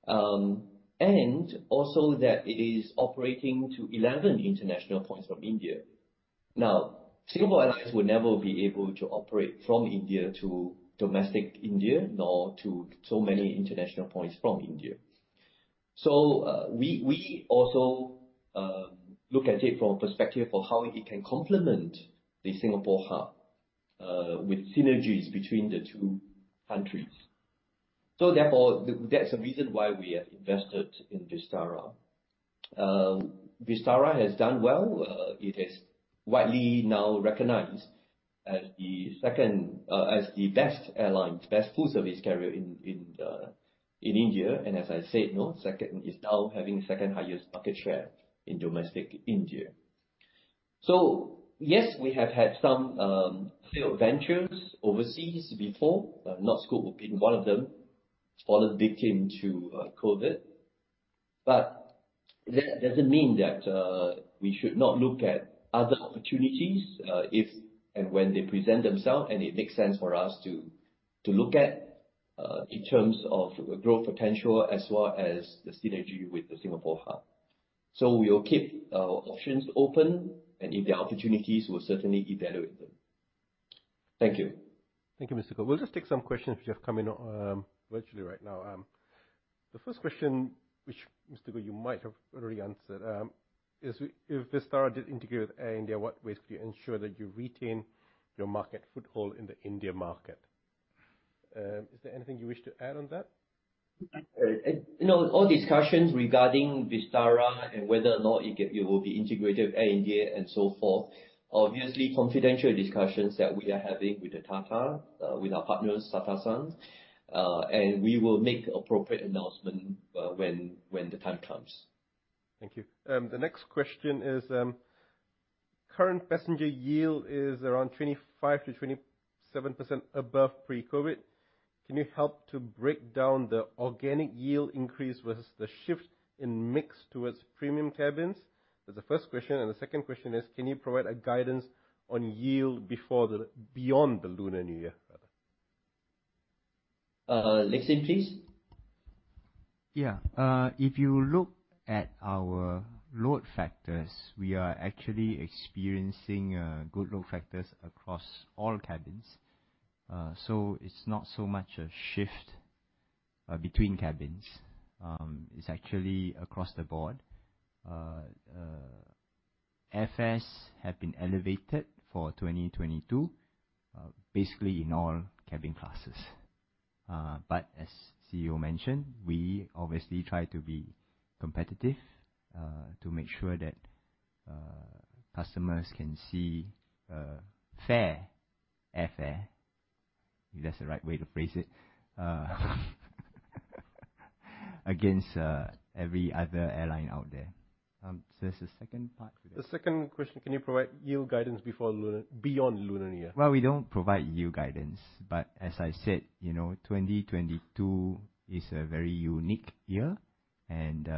And also that it is operating to 11 international points from India. Now, Singapore Airlines will never be able to operate from India to domestic India, nor to so many international points from India. We also look at it from a perspective of how it can complement the Singapore hub with synergies between the two countries. Therefore, that's the reason why we have invested in Vistara. Vistara has done well. It is widely now recognized as the best airline, best full-service carrier in India. As I said, you know, is now having second-highest market share in domestic India. Yes, we have had some failed ventures overseas before. NokScoot being one of them, fallen victim to COVID. That doesn't mean that we should not look at other opportunities, if and when they present themselves and it makes sense for us to look at in terms of growth potential as well as the synergy with the Singapore hub. We will keep our options open and if there are opportunities we'll certainly evaluate them. Thank you. Thank you, Mr. Goh. We'll just take some questions which have come in, virtually right now. The first question, which Mr. Goh you might have already answered, is if Vistara did integrate with Air India, what ways could you ensure that you retain your market foothold in the India market? Is there anything you wish to add on that? You know, all discussions regarding Vistara and whether or not it will be integrated with Air India and so forth are obviously confidential discussions that we are having with the Tata, with our partners, Tata Sons. We will make appropriate announcement when the time comes. Thank you. The next question is, current passenger yield is around 25%-27% above pre-COVID. Can you help to break down the organic yield increase versus the shift in mix towards premium cabins? That's the first question, and the second question is, can you provide a guidance on yield beyond the Lunar New Year? Lik Hsin, please. Yeah. If you look at our load factors, we are actually experiencing good load factors across all cabins. So it's not so much a shift between cabins. It's actually across the board. Airfares have been elevated for 2022, basically in all cabin classes. But as CEO mentioned, we obviously try to be competitive to make sure that customers can see a fair airfare, if that's the right way to phrase it, against every other airline out there. So there's a second part to that. The second question, can you provide yield guidance before Lunar- beyond Lunar New Year? Well, we don't provide yield guidance, but as I said, you know, 2022 is a very unique year and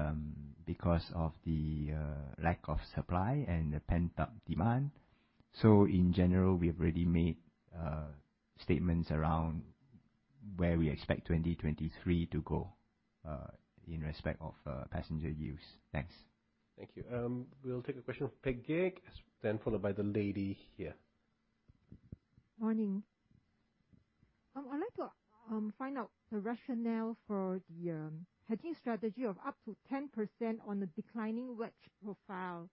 because of the lack of supply and the pent-up demand. In general, we have already made statements around where we expect 2023 to go, in respect of passenger yields. Thanks. Thank you. We'll take a question from Peck Gek, then followed by the lady here. Morning. I'd like to find out the rationale for the hedging strategy of up to 10% on the declining wedge profile.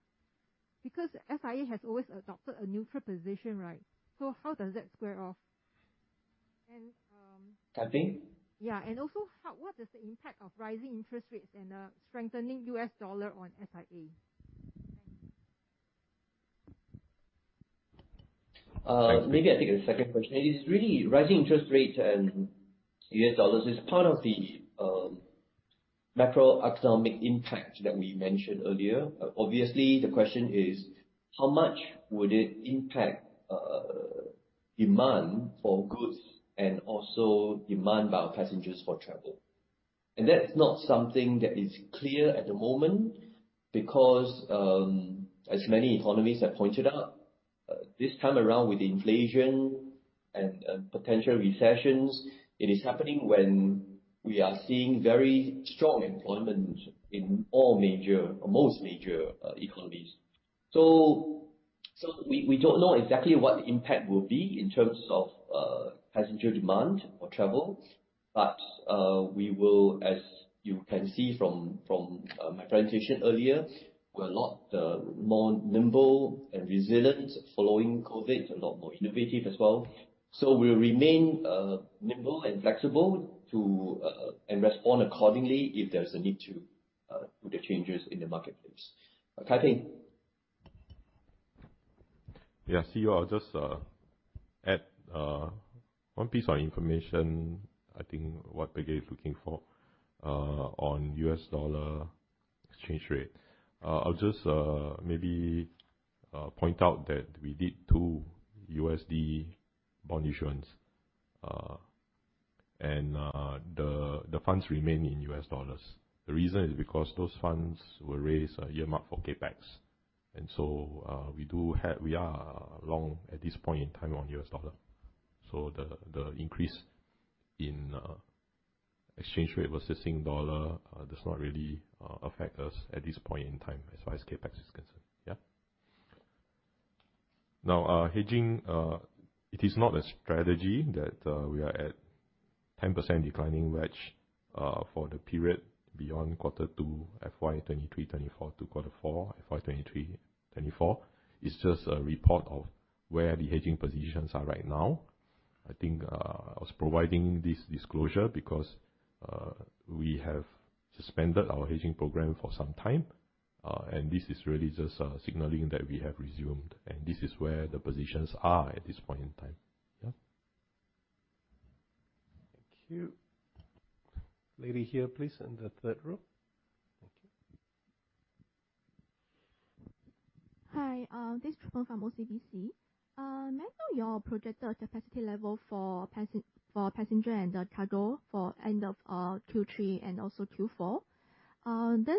Because SIA has always adopted a neutral position, right? How does that square off? Hedging? Yeah. What is the impact of rising interest rates and a strengthening U.S. dollar on SIA? Thanks. Maybe I take the second question. It is really rising interest rates and U.S. dollars is part of the macroeconomic impact that we mentioned earlier. Obviously, the question is how much would it impact demand for goods and also demand by our passengers for travel? That's not something that is clear at the moment because as many economists have pointed out, this time around with inflation and potential recessions, it is happening when we are seeing very strong employment in all major or most major economies. We don't know exactly what the impact will be in terms of passenger demand for travel. We will, as you can see from my presentation earlier, we're a lot more nimble and resilient following COVID. A lot more innovative as well. We'll remain nimble and flexible and respond accordingly if there's a need to put the changes in the marketplace. Kai Ping. Yeah, CEO, I'll just add one piece of information. I think what Peck Gek is looking for on U.S. dollar exchange rate. I'll just maybe point out that we did two USD bond issuance. The funds remain in U.S. dollars. The reason is because those funds were raised earmarked for CapEx. We are long at this point in time on U.S. dollar. The increase in exchange rate versus Sing dollar does not really affect us at this point in time as far as CapEx is concerned. Yeah. Now, hedging, it is not a strategy that we are at 10% declining hedge for the period beyond quarter two, FY 2023/2024 to quarter four, FY 2023/2024. It's just a report of where the hedging positions are right now. I think, I was providing this disclosure because, we have suspended our hedging program for some time, and this is really just, signaling that we have resumed, and this is where the positions are at this point in time. Yeah. Thank you. Lady here, please, in the third row. Thank you. Hi, this is [Chu Peng] from OCBC. May I know your projected capacity level for passenger and cargo for end of Q3 and also Q4?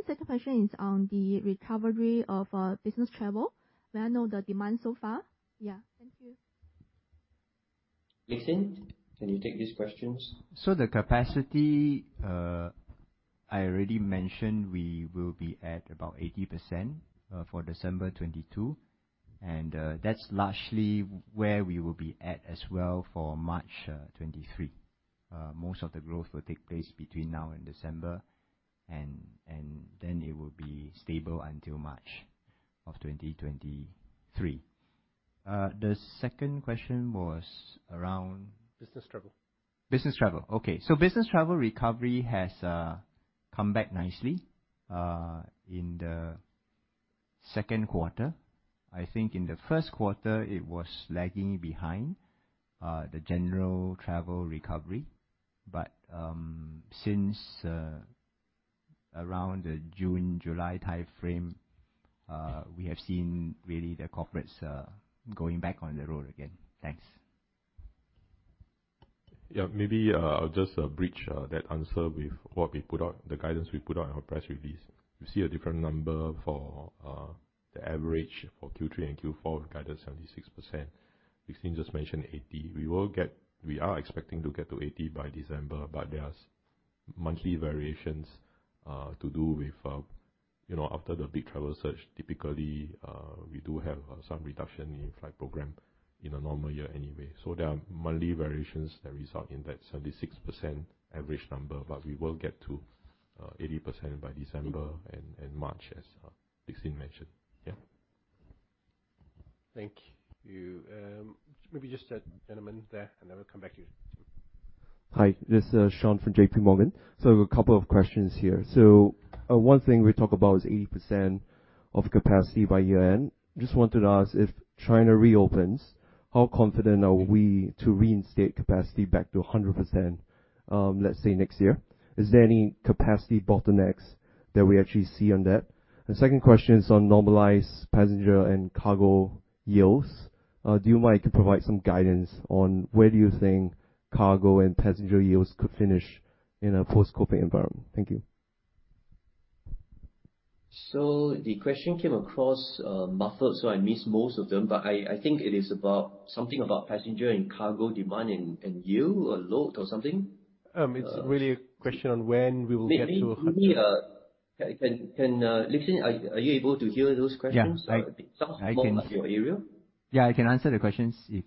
Second question is on the recovery of business travel. May I know the demand so far? Yeah. Thank you. Lik Hsin, can you take these questions? The capacity, I already mentioned, we will be at about 80% for December 2022. That's largely where we will be at as well for March 2023. Most of the growth will take place between now and December, and then it will be stable until March of 2023. The second question was around Business travel. Business travel. Okay. Business travel recovery has come back nicely in the second quarter. I think in the first quarter it was lagging behind the general travel recovery. Since around the June, July timeframe, we have seen really the corporates going back on the road again. Thanks. Yeah. Maybe I'll just bridge that answer with what we put out, the guidance we put out in our press release. You see a different number for the average for Q3 and Q4. We guided 76%. Lik Hsin just mentioned 80%. We are expecting to get to 80% by December, but there's monthly variations to do with you know, after the big travel surge, typically we do have some reduction in flight program in a normal year anyway. So there are monthly variations that result in that 76% average number. But we will get to 80% by December and March, as Lik Hsin mentioned. Yeah. Thank you. Maybe just that gentleman there, and then we'll come back to you. Hi, this is Shawn from JP Morgan. A couple of questions here. One thing we talk about is 80% of capacity by year-end. Just wanted to ask if China reopens, how confident are we to reinstate capacity back to 100%, let's say, next year? Is there any capacity bottlenecks that we actually see on that? The second question is on normalized passenger and cargo yields. Do you mind to provide some guidance on where do you think cargo and passenger yields could finish in a post-COVID environment? Thank you. The question came across muffled, so I missed most of them, but I think it is about something about passenger and cargo demand and yield or load or something. It's really a question on when we will get to 100- Maybe, can Lik Hsin, are you able to hear those questions? Yeah. It sounds more like your area. Yeah, I can answer the questions if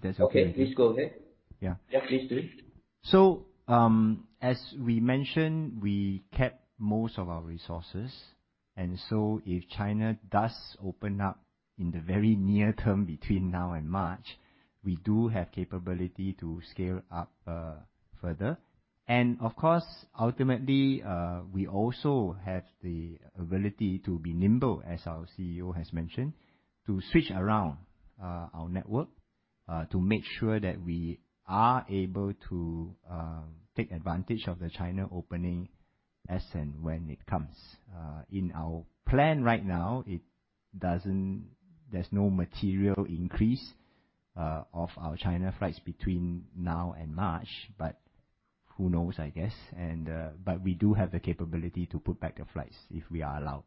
that's okay with you. Okay, please go ahead. Yeah. Yeah. Please do. As we mentioned, we kept most of our resources. If China does open up in the very near term, between now and March, we do have capability to scale up further. Of course, ultimately, we also have the ability to be nimble, as our CEO has mentioned, to switch around our network to make sure that we are able to take advantage of the China opening as and when it comes. In our plan right now, there's no material increase of our China flights between now and March, but who knows, I guess. We do have the capability to put back the flights if we are allowed.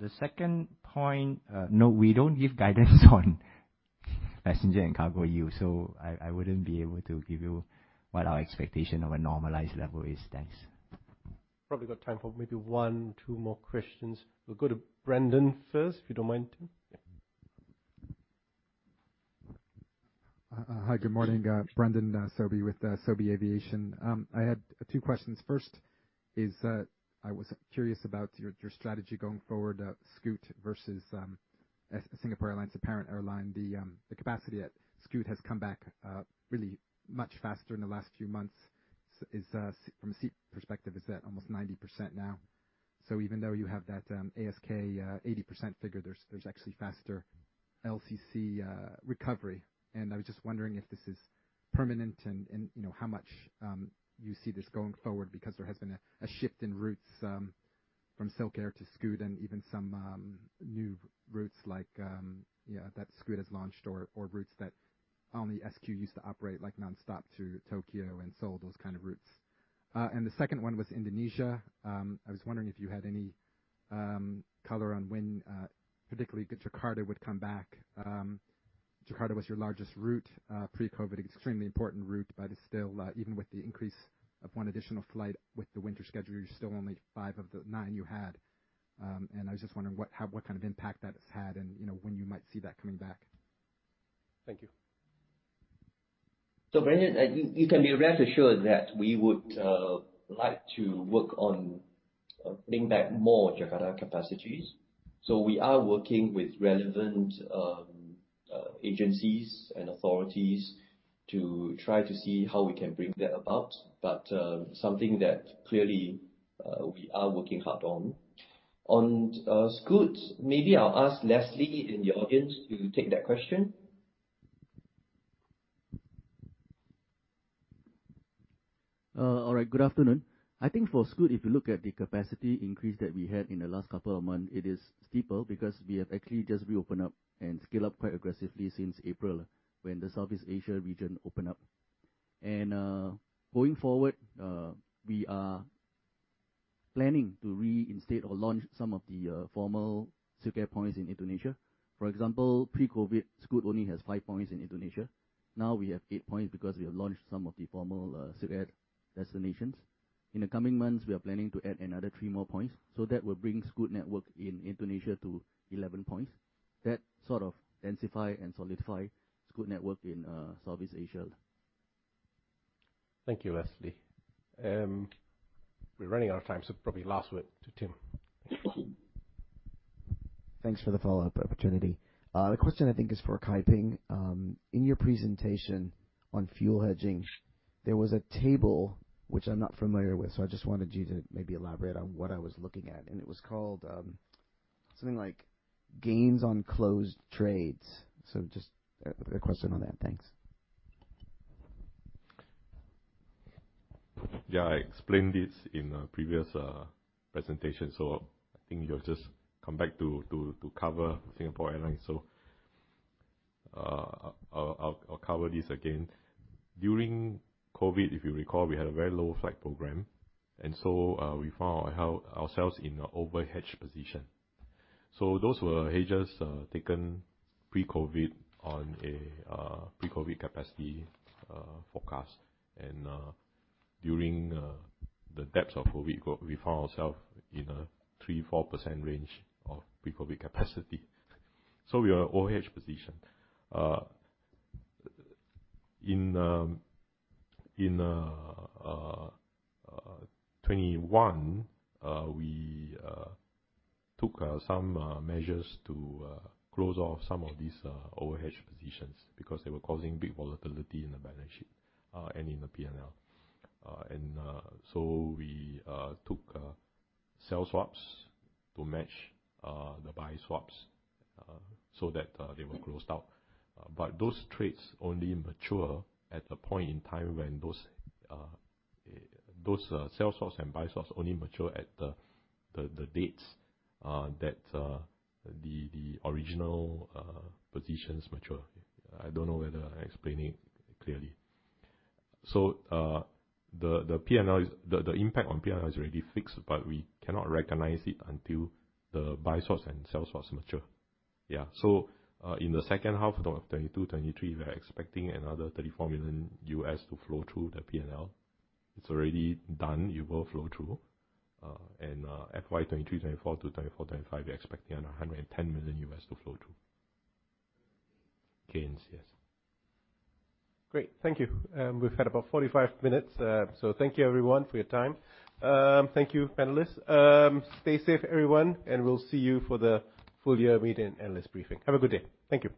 The second point, no, we don't give guidance on passenger and cargo yield, so I wouldn't be able to give you what our expectation of a normalized level is. Thanks. Probably got time for maybe one, two more questions. We'll go to Brendan first, if you don't mind. Yeah. Hi, good morning. Brendan Sobie with Sobie Aviation. I had two questions. First is, I was curious about your strategy going forward, Scoot versus Singapore Airlines, the parent airline. The capacity at Scoot has come back really much faster in the last few months. From a seat perspective, it's at almost 90% now. Even though you have that ASK 80% figure, there's actually faster LCC recovery. I was just wondering if this is permanent and, you know, how much you see this going forward because there has been a shift in routes from SilkAir to Scoot and even some new routes like that Scoot has launched or routes that only SIA used to operate, like nonstop to Tokyo and Seoul, those kind of routes. The second one was Indonesia. I was wondering if you had any color on when, particularly Jakarta would come back. Jakarta was your largest route pre-COVID, extremely important route, but is still even with the increase of one additional flight with the winter schedule, you're still only five of the nine you had. I was just wondering what... How, what kind of impact that has had and, you know, when you might see that coming back? Thank you. Brendan, you can be rest assured that we would like to work on bringing back more Jakarta capacities. We are working with relevant agencies and authorities to try to see how we can bring that about. Something that clearly we are working hard on. On Scoot, maybe I'll ask Leslie in the audience to take that question. Good afternoon. I think for Scoot, if you look at the capacity increase that we had in the last couple of months, it is steeper because we have actually just reopened up and scale up quite aggressively since April when the Southeast Asia region opened up. Going forward, we are planning to reinstate or launch some of the former SilkAir points in Indonesia. For example, pre-COVID, Scoot only has five points in Indonesia. Now we have eight points because we have launched some of the former SilkAir destinations. In the coming months, we are planning to add another three more points, so that will bring Scoot network in Indonesia to 11 points. That sort of densify and solidify Scoot network in Southeast Asia. Thank you, Leslie. We're running out of time, so probably last word to Tim. Thanks for the follow-up opportunity. The question I think is for Kai Ping. In your presentation on fuel hedging, there was a table which I'm not familiar with, so I just wanted you to maybe elaborate on what I was looking at. It was called something like Gains on Closed Trades. Just a question on that. Thanks. Yeah. I explained this in a previous presentation, so I think you have just come back to cover Singapore Airlines. I'll cover this again. During COVID, if you recall, we had a very low flight program, and we found ourselves in overhedge position. Those were hedges taken pre-COVID on a pre-COVID capacity forecast. During the depths of COVID, we found ourselves in a 3%-4% range of pre-COVID capacity. We are overhedge position. In 2021, we took some measures to close off some of these overhedge positions because they were causing big volatility in the balance sheet and in the P&L. We took sell swaps to match the buy swaps so that they were closed out. Those trades only mature at a point in time when those sell swaps and buy swaps only mature at the dates that the original positions mature. I don't know whether I'm explaining clearly. The P&L, the impact on P&L is already fixed, but we cannot recognize it until the buy swaps and sell swaps mature. Yeah. In the second half of 2022/2023, we are expecting another $34 million to flow through the P&L. It's already done, it will flow through. FY 2023/2024 to 2024/2025, we are expecting $110 million to flow through. Gains, yes. Great. Thank you. We've had about 45 minutes. Thank you everyone for your time. Thank you, panelists. Stay safe, everyone, and we'll see you for the full year meeting analyst briefing. Have a good day. Thank you.